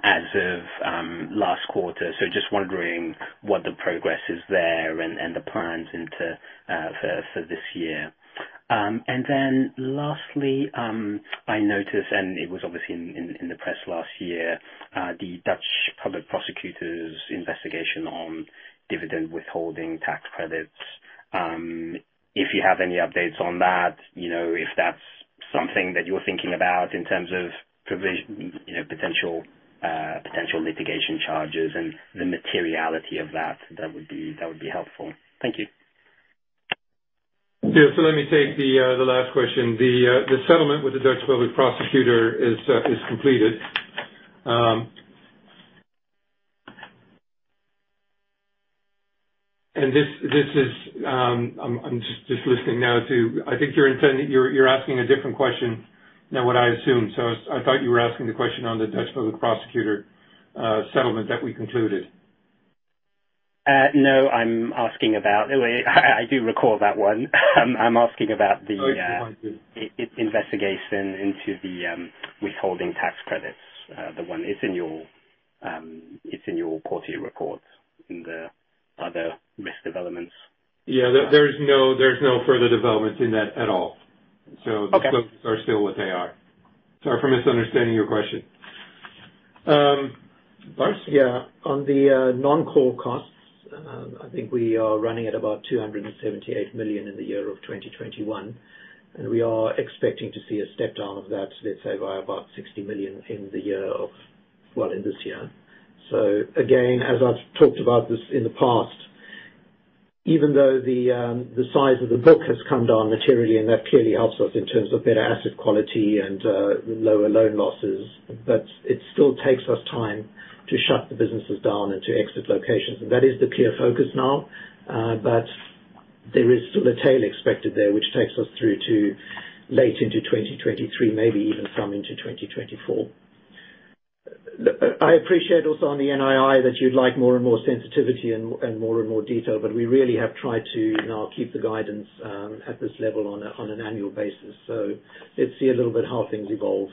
as of last quarter. Just wondering what the progress is there and the plans into for this year. Lastly, I noticed, and it was obviously in the press last year, the Dutch Public Prosecution Service's investigation on dividend withholding tax credits. If you have any updates on that, you know, if that's something that you're thinking about in terms of provision, you know, potential litigation charges and the materiality of that would be helpful. Thank you. Yeah. Let me take the last question. The settlement with the Dutch Public Prosecutor is completed. This is. I'm just listening now to. I think you're intending. You're asking a different question than what I assumed. I thought you were asking the question on the Dutch Public Prosecutor settlement that we concluded. No, I'm asking about. Well, I do recall that one. I'm asking about the Oh. investigation into the withholding tax credits. It's in your quarterly reports in the other risk developments. Yeah. There's no further developments in that at all. Okay. Those are still what they are. Sorry for misunderstanding your question. Yeah. On the non-core costs, I think we are running at about 278 million in 2021, and we are expecting to see a step down of that, let's say by about 60 million in this year. Again, as I've talked about this in the past, even though the size of the book has come down materially, and that clearly helps us in terms of better asset quality and lower loan losses, but it still takes us time to shut the businesses down and to exit locations. That is the clear focus now. But there is still a tail expected there, which takes us through to late into 2023, maybe even some into 2024. Look, I appreciate also on the NII that you'd like more and more sensitivity and more and more detail, but we really have tried to now keep the guidance at this level on an annual basis. Let's see a little bit how things evolve,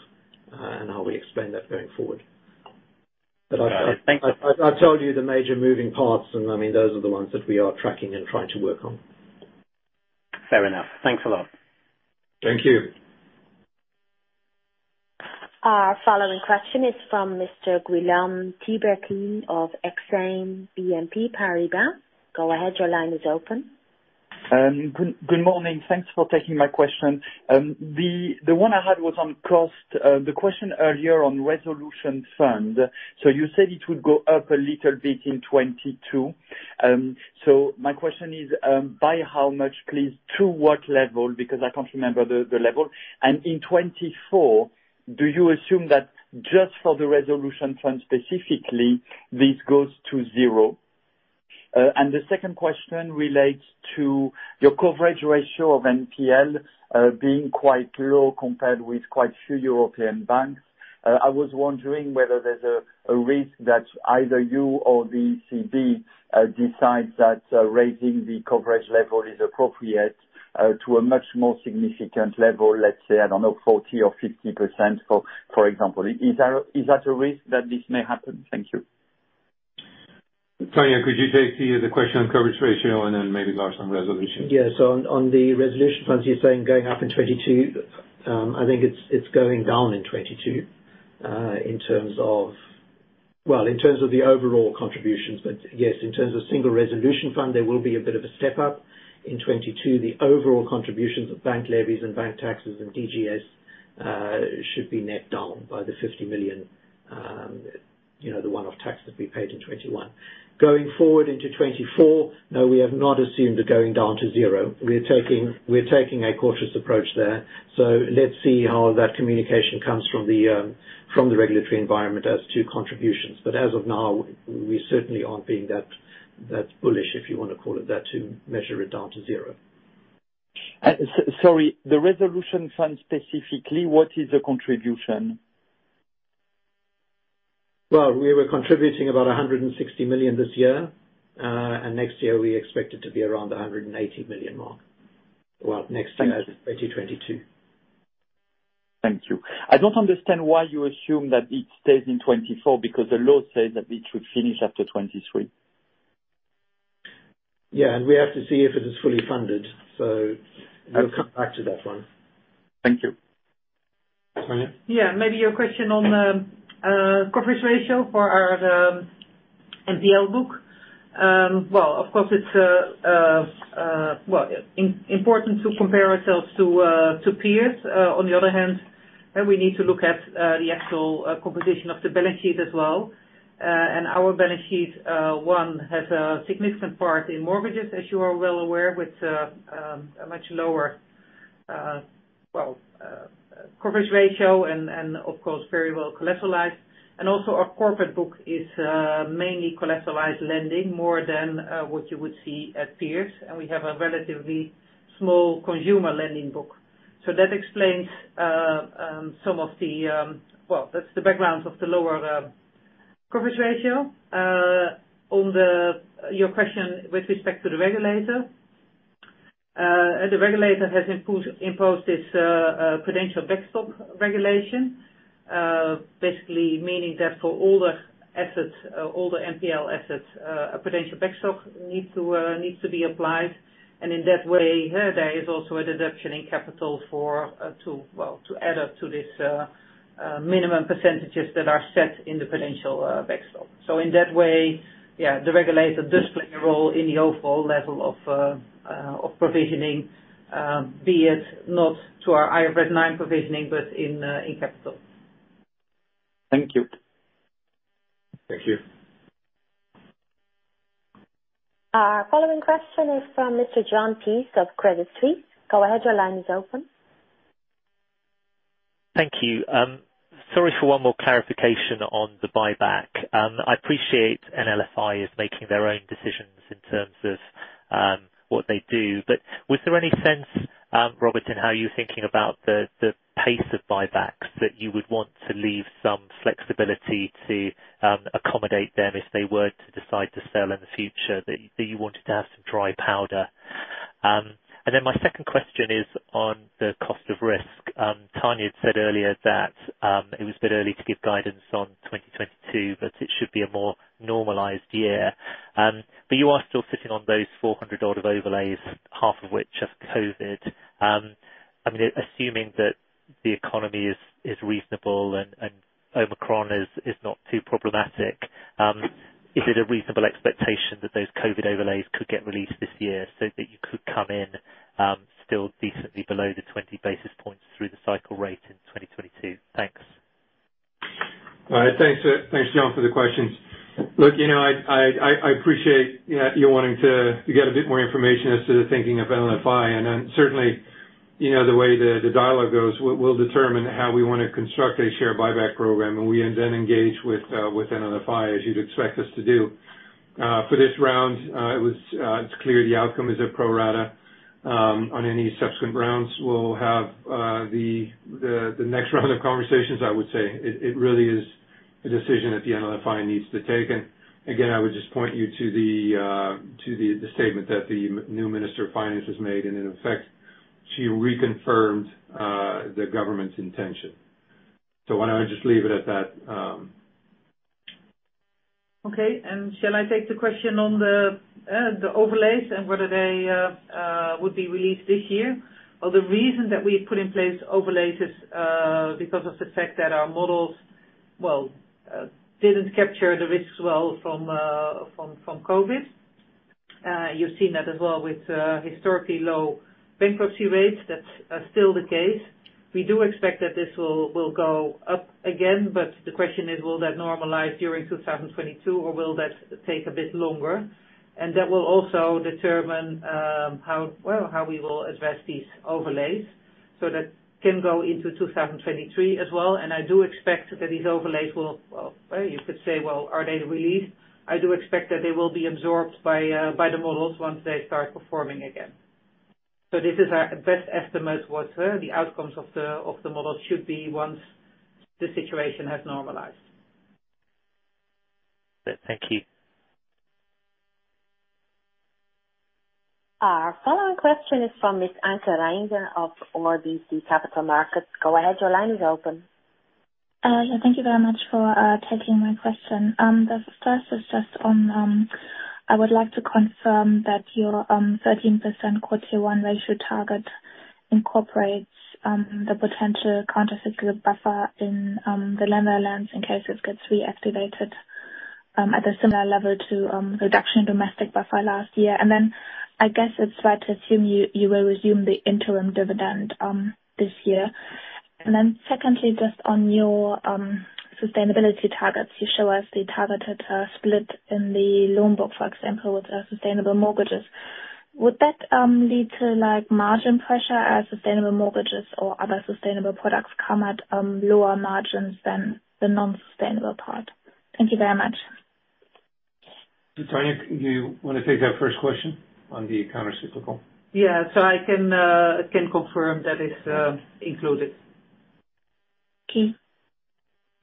and how we explain that going forward. Thank you. I've told you the major moving parts, and I mean, those are the ones that we are tracking and trying to work on. Fair enough. Thanks a lot. Thank you. Our following question is from Mr. Guillaume Tiberghien of Exane BNP Paribas. Go ahead. Your line is open. Good morning. Thanks for taking my question. The one I had was on cost, the question earlier on resolution fund. You said it would go up a little bit in 2022. My question is, by how much, please, to what level? Because I can't remember the level. In 2024, do you assume that just for the resolution fund specifically, this goes to zero? The second question relates to your coverage ratio of NPL, being quite low compared with quite a few European banks. I was wondering whether there's a risk that either you or the ECB decides that raising the coverage level is appropriate, to a much more significant level, let's say, I don't know, 40% or 50%, for example. Is that a risk that this may happen? Thank you. Tanja, could you take the question on coverage ratio and then maybe Lars on resolution? On the resolution fund, you're saying going up in 2022. I think it's going down in 2022, in terms of the overall contributions. Well, in terms of the single resolution fund, there will be a bit of a step up in 2022. The overall contributions of bank levies and bank taxes and DGS should be net down by the 50 million, you know, the one-off tax that we paid in 2021. Going forward into 2024, no, we have not assumed they're going down to zero. We're taking a cautious approach there. Let's see how that communication comes from the regulatory environment as to contributions. As of now, we certainly aren't being that bullish, if you wanna call it that, to measure it down to zero. Sorry, the resolution fund specifically, what is the contribution? Well, we were contributing about 160 million this year. Next year we expect it to be around the 180 million mark. Thank you. As in 2022. Thank you. I don't understand why you assume that it stays in 2024, because the law says that it should finish after 2023. Yeah. We have to see if it is fully funded. We'll come back to that one. Thank you. Tanja. Yeah. Maybe your question on the coverage ratio for our NPL book. Well, of course, it's important to compare ourselves to peers. On the other hand, we need to look at the actual composition of the balance sheet as well. Our balance sheet has a significant part in mortgages, as you are well aware, with a much lower coverage ratio and, of course, very well collateralized. Also our corporate book is mainly collateralized lending more than what you would see at peers. We have a relatively small consumer lending book. That explains some of the. Well, that's the background of the lower coverage ratio. On your question with respect to the regulator. The regulator has imposed this prudential backstop regulation. Basically meaning that for all the assets, all the NPL assets, a prudential backstop needs to be applied. In that way, there is also a deduction in capital for to well to add up to this minimum percentages that are set in the prudential backstop. Yeah, the regulator does play a role in the overall level of provisioning, be it not to our IFRS 9 provisioning, but in capital. Thank you. Thank you. Our following question is from Mr. Jon Peace of Credit Suisse. Go ahead. Your line is open. Thank you. Sorry for one more clarification on the buyback. I appreciate NLFI is making their own decisions in terms of what they do. But was there any sense, Robert, in how you're thinking about the pace of buybacks, that you would want to leave some flexibility to accommodate them if they were to decide to sell in the future, that you wanted to have some dry powder? Then my second question is on the cost of risk. Tanja had said earlier that it was a bit early to give guidance on 2022, but it should be a more normalized year. You are still sitting on those 400-odd of overlays, half of which are COVID. I mean, assuming that the economy is reasonable and Omicron is not too problematic, is it a reasonable expectation that those COVID overlays could get released this year so that you could come in still decently below the 20 basis points through the cycle rate in 2022? Thanks. Thanks, John, for the questions. Look, you know, I appreciate you wanting to get a bit more information as to the thinking of NLFI, and certainly, you know, the way the dialogue goes will determine how we wanna construct a share buyback program, and we then engage with NLFI, as you'd expect us to do. For this round, it's clear the outcome is a pro rata. On any subsequent rounds we'll have, the next round of conversations, I would say. It really is a decision that the NLFI needs to take. I would just point you to the statement that the new Minister of Finance has made, and in effect, she reconfirmed the government's intention. Why don't I just leave it at that. Okay. Shall I take the question on the overlays and whether they would be released this year? Well, the reason that we put in place overlays is because of the fact that our models, well, didn't capture the risks well from COVID. You've seen that as well with historically low bankruptcy rates. That's still the case. We do expect that this will go up again, but the question is, will that normalize during 2022, or will that take a bit longer? That will also determine how well how we will address these overlays so that can go into 2023 as well. I do expect that these overlays will, well, you could say, well, are they released? I do expect that they will be absorbed by the models once they start performing again. This is our best estimate of what the outcomes of the model should be once the situation has normalized. Thank you. Our following question is from Miss Anke Reingen of RBC Capital Markets. Go ahead. Your line is open. Yeah, thank you very much for taking my question. The first is just on, I would like to confirm that your 13% quarter one ratio target incorporates the potential countercyclical buffer in the Netherlands in case it gets reactivated at a similar level to reduction in domestic buffer last year. I guess it's right to assume you will resume the interim dividend this year. Secondly, just on your sustainability targets, you show us the targeted split in the loan book, for example, with sustainable mortgages. Would that lead to, like, margin pressure as sustainable mortgages or other sustainable products come at lower margins than the non-sustainable part? Thank you very much. Tanja, do you wanna take that first question on the countercyclical? Yeah. I can confirm that is included. Okay.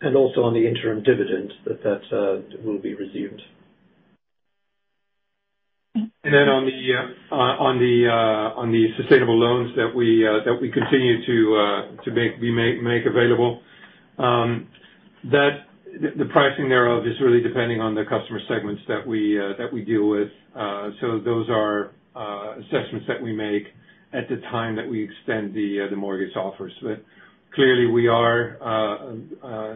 also on the interim dividend, that will be resumed. Thank you. On the sustainable loans that we continue to make available, the pricing thereof is really depending on the customer segments that we deal with. Those are assessments that we make at the time that we extend the mortgage offers. Clearly we are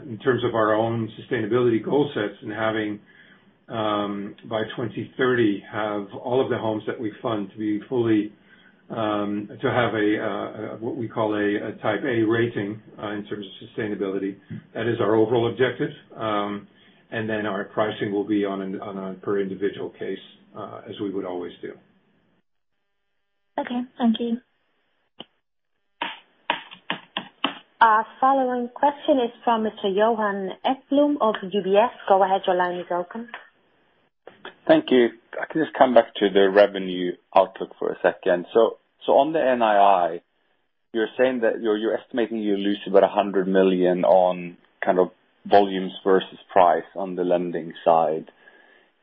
in terms of our own sustainability goal sets and having by 2030 all of the homes that we fund to be fully to have what we call a type A rating in terms of sustainability. That is our overall objective. Our pricing will be on a per individual case as we would always do. Okay. Thank you. Our following question is from Mr. Johan Ekblom of UBS. Go ahead. Your line is open. Thank you. I can just come back to the revenue outlook for a second. On the NII, you're saying that you're estimating you lose about 100 million on kind of volumes versus price on the lending side.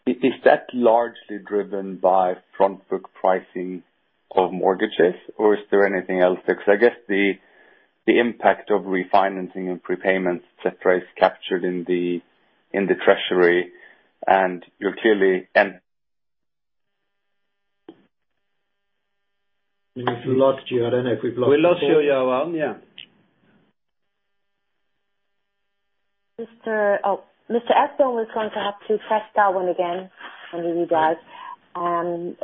Is that largely driven by front book pricing of mortgages or is there anything else there? Because I guess the impact of refinancing and prepayments, et cetera, is captured in the treasury. We've lost you. I don't know if we've lost you. We lost you, Johan. Yeah. Mr. Oh, Mr. Ekblom, we're going to have to press star one again and re-dial.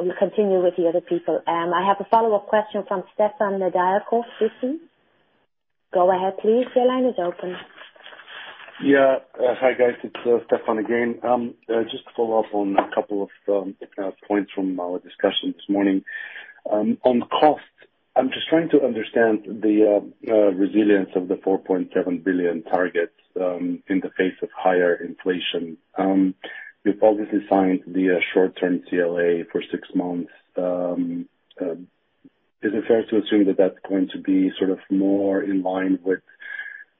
We continue with the other people. I have a follow-up question from Stefan Nedialkov, Citi. Go ahead please. Your line is open. Hi guys. It's Stefan again. Just to follow up on a couple of points from our discussion this morning. On cost, I'm just trying to understand the resilience of the 4.7 billion targets in the face of higher inflation. You've obviously signed the short-term CLA for six months. Is it fair to assume that that's going to be sort of more in line with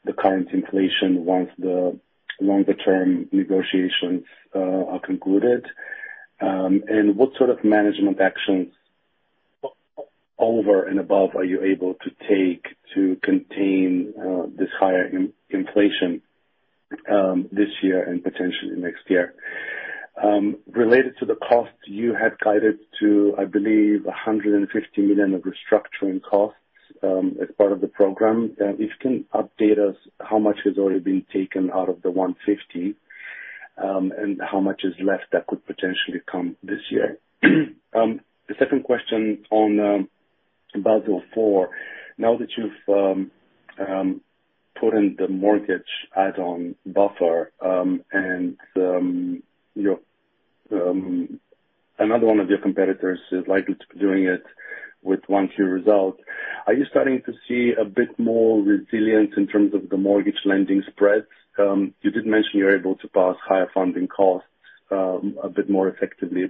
the current inflation once the longer-term negotiations are concluded? What sort of management actions over and above are you able to take to contain this higher inflation this year and potentially next year? Related to the cost, you had guided to, I believe, 150 million of restructuring costs as part of the program. If you can update us how much has already been taken out of the 150, and how much is left that could potentially come this year. The second question on Basel IV. Now that you've put in the mortgage add-on buffer, and another one of your competitors is likely to be doing it with Q1 result, are you starting to see a bit more resilience in terms of the mortgage lending spreads? You did mention you're able to pass higher funding costs a bit more effectively.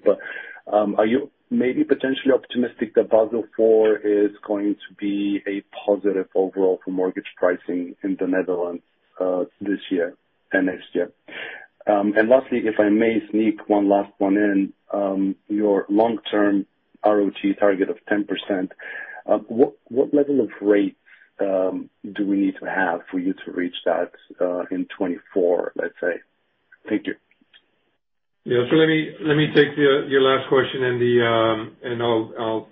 Are you maybe potentially optimistic that Basel IV is going to be a positive overall for mortgage pricing in the Netherlands, this year and next year? Lastly, if I may sneak one last one in. Your long-term ROE target of 10%, what level of rates do we need to have for you to reach that, in 2024, let's say? Thank you. Yeah. Let me take your last question and I'll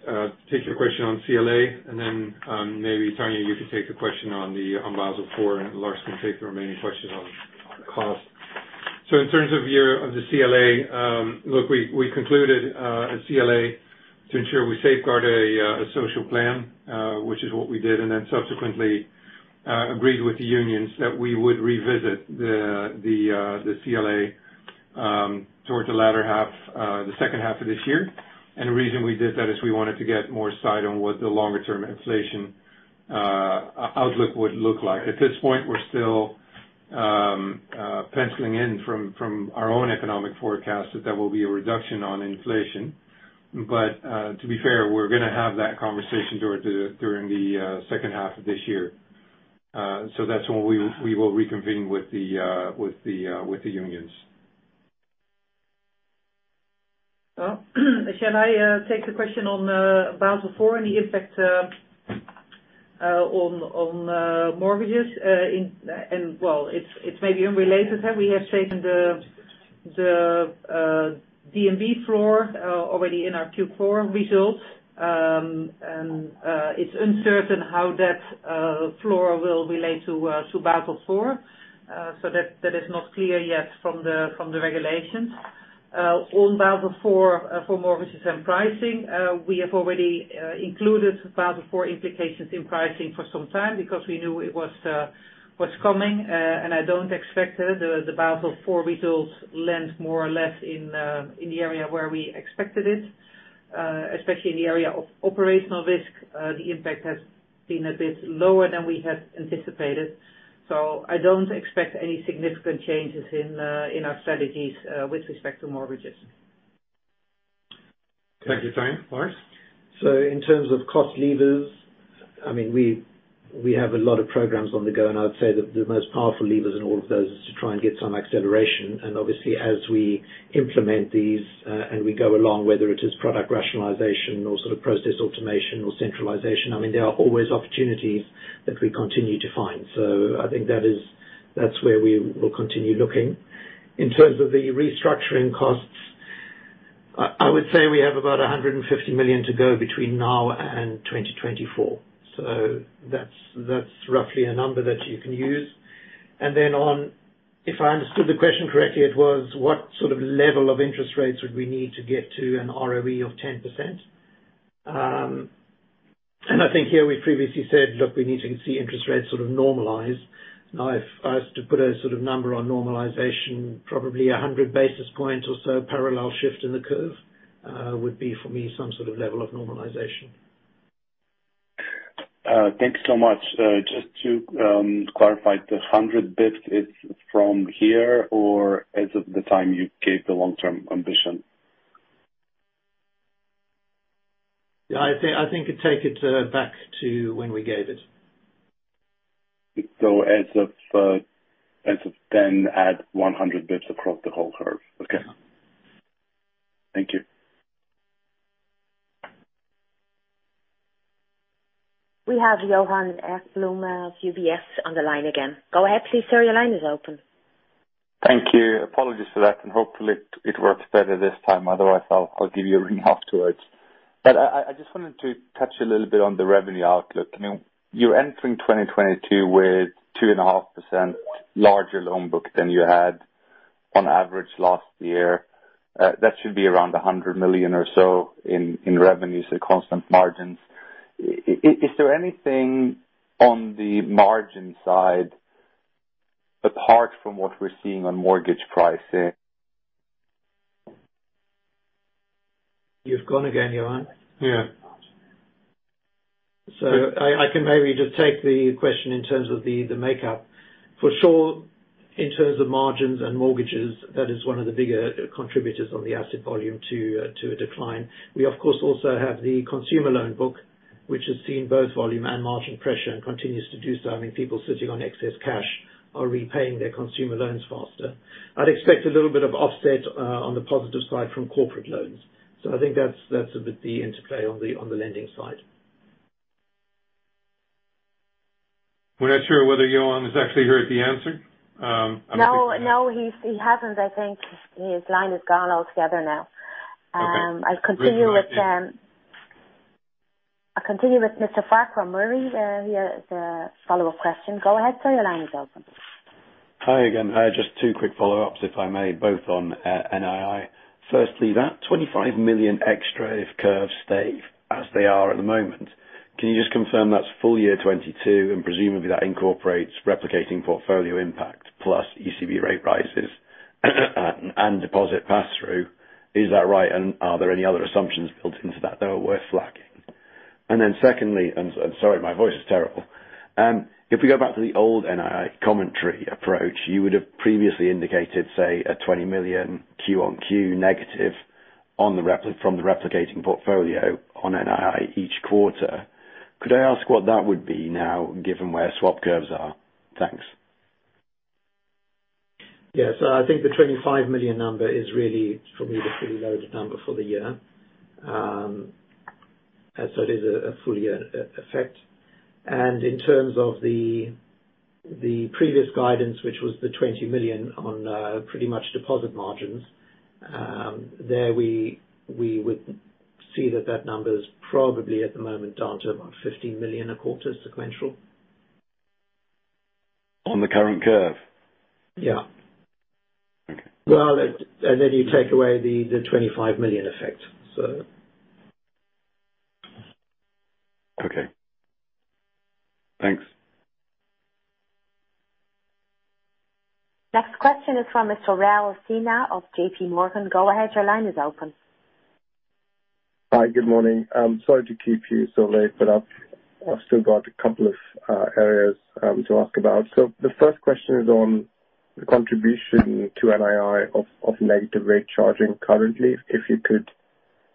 take your question on CLA. Then maybe Tanja you can take the question on Basel IV, and Lars can take the remaining question on cost. In terms of your of the CLA, look, we concluded a CLA to ensure we safeguard a social plan, which is what we did, and then subsequently agreed with the unions that we would revisit the CLA towards the latter half, the second half of this year. The reason we did that is we wanted to get more sight on what the longer term inflation outlook would look like. At this point, we're still penciling in from our own economic forecast that there will be a reduction on inflation. To be fair, we're gonna have that conversation during the second half of this year. That's when we will reconvene with the unions. Well, shall I take the question on Basel IV and the effect on mortgages? Well, it's maybe unrelated. We have taken the DNB floor already in our Q4 results. It's uncertain how that floor will relate to Basel IV. That is not clear yet from the regulations. On Basel IV for mortgages and pricing, we have already included Basel IV implications in pricing for some time because we knew it was coming. I don't expect it. The Basel IV results lend more or less in the area where we expected it, especially in the area of operational risk. The impact has been a bit lower than we had anticipated. I don't expect any significant changes in our strategies with respect to mortgages. Thank you, Tanja. Lars. In terms of cost levers, I mean, we have a lot of programs on the go, and I would say that the most powerful levers in all of those is to try and get some acceleration. Obviously, as we implement these, and we go along, whether it is product rationalization or sort of process automation or centralization, I mean, there are always opportunities that we continue to find. I think that's where we will continue looking. In terms of the restructuring costs, I would say we have about 150 million to go between now and 2024. That's roughly a number that you can use. If I understood the question correctly, it was what sort of level of interest rates would we need to get to an ROE of 10%. I think here we've previously said, look, we need to see interest rates sort of normalize. Now, if I was to put a sort of number on normalization, probably 100 basis points or so parallel shift in the curve would be, for me, some sort of level of normalization. Thank you so much. Just to clarify, the 100 basis points is from here or as of the time you gave the long-term ambition? Yeah, I think it takes it back to when we gave it. As of then, add 100 basis points across the whole curve. Yeah. Okay. Thank you. We have Johan Ekblom, UBS, on the line again. Go ahead, please, sir. Your line is open. Thank you. Apologies for that, and hopefully it works better this time. Otherwise, I'll give you a ring afterwards. I just wanted to touch a little bit on the revenue outlook. You're entering 2022 with a 2.5% larger loan book than you had on average last year. That should be around 100 million or so in revenues at constant margins. Is there anything on the margin side apart from what we're seeing on mortgage pricing? You've gone again, Johan. Yeah. I can maybe just take the question in terms of the makeup. For sure, in terms of margins and mortgages, that is one of the bigger contributors on the asset volume to a decline. We, of course, also have the consumer loan book, which has seen both volume and margin pressure and continues to do so. I mean, people sitting on excess cash are repaying their consumer loans faster. I'd expect a little bit of offset on the positive side from corporate loans. I think that's a bit the interplay on the lending side. We're not sure whether Johan is actually here to answer. No. No. He hasn't, I think. His line is gone altogether now. Okay. I'll continue with Mr. Farquhar Murray. He has a follow-up question. Go ahead, sir. Your line is open. Hi again. Just two quick follow-ups, if I may, both on NII. Firstly, that 25 million extra if curves stay as they are at the moment, can you just confirm that's full year 2022, and presumably that incorporates replicating portfolio impact plus ECB rate rises and deposit pass-through. Is that right? Are there any other assumptions built into that, though, worth flagging? Secondly, I'm sorry, my voice is terrible. If we go back to the old NII commentary approach, you would have previously indicated, say a 20 million quarter-over-quarter negative from the replicating portfolio on NII each quarter. Could I ask what that would be now, given where swap curves are? Thanks. Yes. I think the 25 million number is really, for me, the pretty loaded number for the year. So it is a full year effect. In terms of the previous guidance, which was the 20 million on pretty much deposit margins, we would see that number is probably at the moment down to about 15 million a quarter sequential. On the current curve? Yeah. Okay. Well, you take away the 25 million effect. Okay. Thanks. Next question is from Mr. Raul Sinha of JP Morgan. Go ahead, your line is open. Hi, good morning. I'm sorry to keep you so late, but I've still got a couple of areas to ask about. The first question is on the contribution to NII of negative rate charging currently. If you could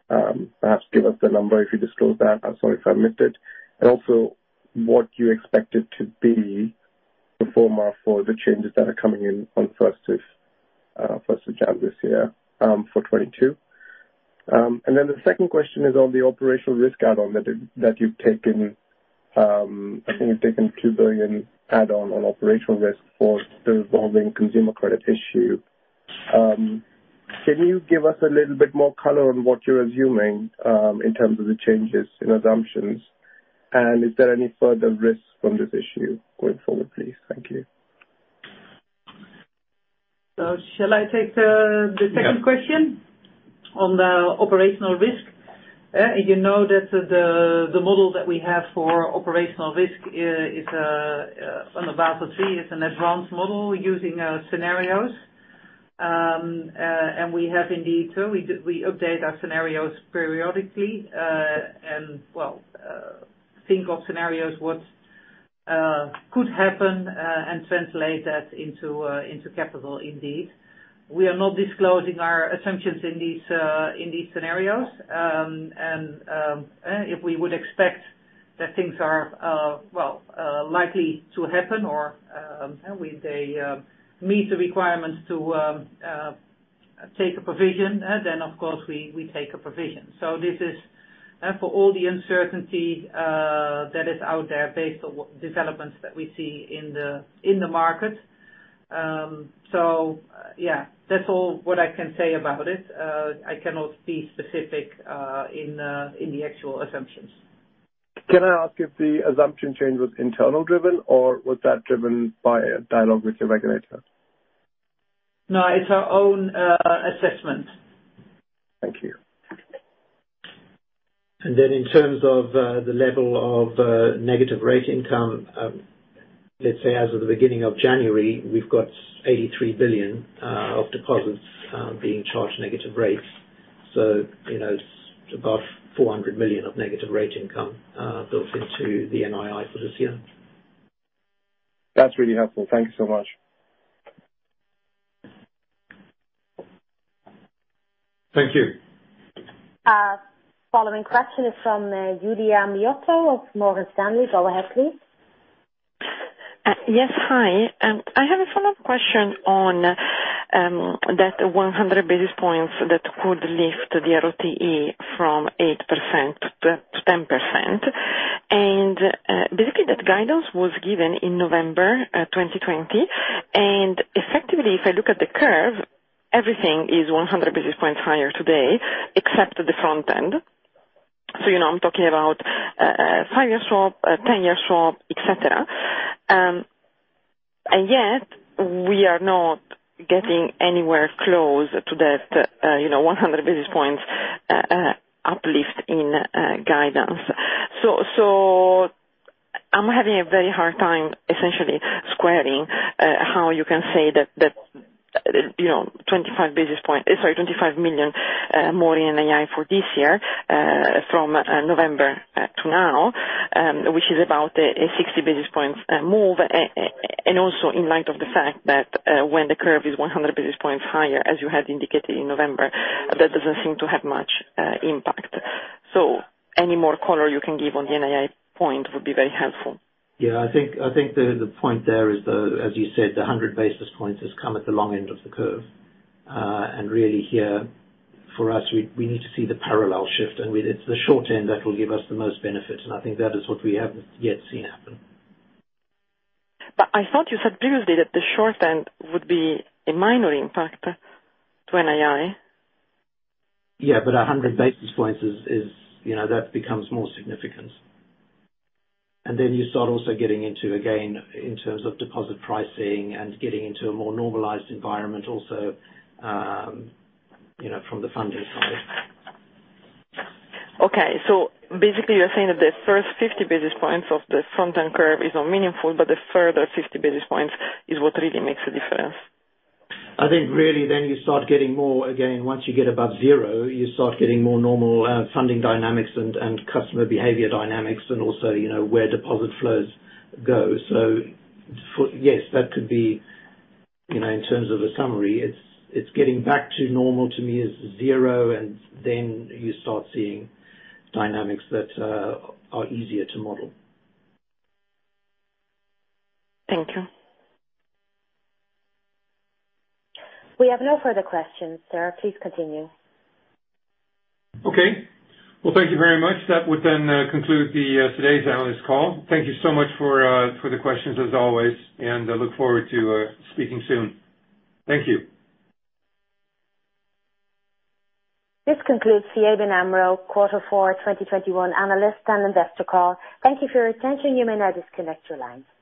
perhaps give us the number, if you disclose that. I'm sorry if I missed it. Also what you expect it to be before or for the changes that are coming in on first of January this year for 2022. The second question is on the operational risk add-on that you've taken. I think you've taken 2 billion add-on on operational risk for the evolving consumer credit issue. Can you give us a little bit more color on what you're assuming in terms of the changes in assumptions? Is there any further risks from this issue going forward, please? Thank you. Shall I take the second question? Yeah. On the operational risk. You know that the model that we have for operational risk is on the Basel III, is an advanced model using scenarios. We have indeed, so we update our scenarios periodically, and well think of scenarios, what could happen, and translate that into capital indeed. We are not disclosing our assumptions in these scenarios. If we would expect that things are, well, likely to happen or they meet the requirements to take a provision, then of course, we take a provision. This is for all the uncertainty that is out there based on what developments that we see in the market. Yeah, that's all what I can say about it. I cannot be specific in the actual assumptions. Can I ask if the assumption change was internal driven or was that driven by a dialogue with your regulator? No, it's our own assessment. Thank you. In terms of the level of negative rate income, let's say as of the beginning of January, we've got 83 billion of deposits being charged negative rates. You know, it's above 400 million of negative rate income built into the NII for this year. That's really helpful. Thank you so much. Thank you. Following question is from Giulia Miotto of Morgan Stanley. Go ahead, please. Yes. Hi. I have a follow-up question on that 100 basis points that could lift the ROTE from 8% to 10%. Basically, that guidance was given in November 2020. Effectively, if I look at the curve, everything is 100 basis points higher today, except the front end. You know, I'm talking about five-year swap, ten-year swap, et cetera. And yet we are not getting anywhere close to that, you know, 100 basis points uplift in guidance. I'm having a very hard time essentially squaring how you can say that, you know, 25 million more in NII for this year, from November to now, which is about 60 basis points move. also in light of the fact that, when the curve is 100 basis points higher, as you had indicated in November, that doesn't seem to have much impact. Any more color you can give on the NII point would be very helpful. Yeah, I think the point there is, as you said, the 100 basis points has come at the long end of the curve. Really here for us, we need to see the parallel shift, and it's the short end that will give us the most benefit, and I think that is what we haven't yet seen happen. I thought you said previously that the short end would be a minor impact to NII. Yeah, 100 basis points is, you know, that becomes more significant. Then you start also getting into, again, in terms of deposit pricing and getting into a more normalized environment also, you know, from the funding side. Okay. Basically, you're saying that the first 50 basis points of the front end curve is not meaningful, but the further 50 basis points is what really makes a difference. I think really then you start getting more, again, once you get above zero, you start getting more normal funding dynamics and customer behavior dynamics and also, you know, where deposit flows go. Yes, that could be, you know, in terms of a summary, it's getting back to normal to me is zero, and then you start seeing dynamics that are easier to model. Thank you. We have no further questions, sir. Please continue. Okay. Well, thank you very much. That would then conclude today's analyst call. Thank you so much for the questions as always, and I look forward to speaking soon. Thank you. This concludes the ABN AMRO Q4 2021 analyst and investor call. Thank you for your attention. You may now disconnect your line.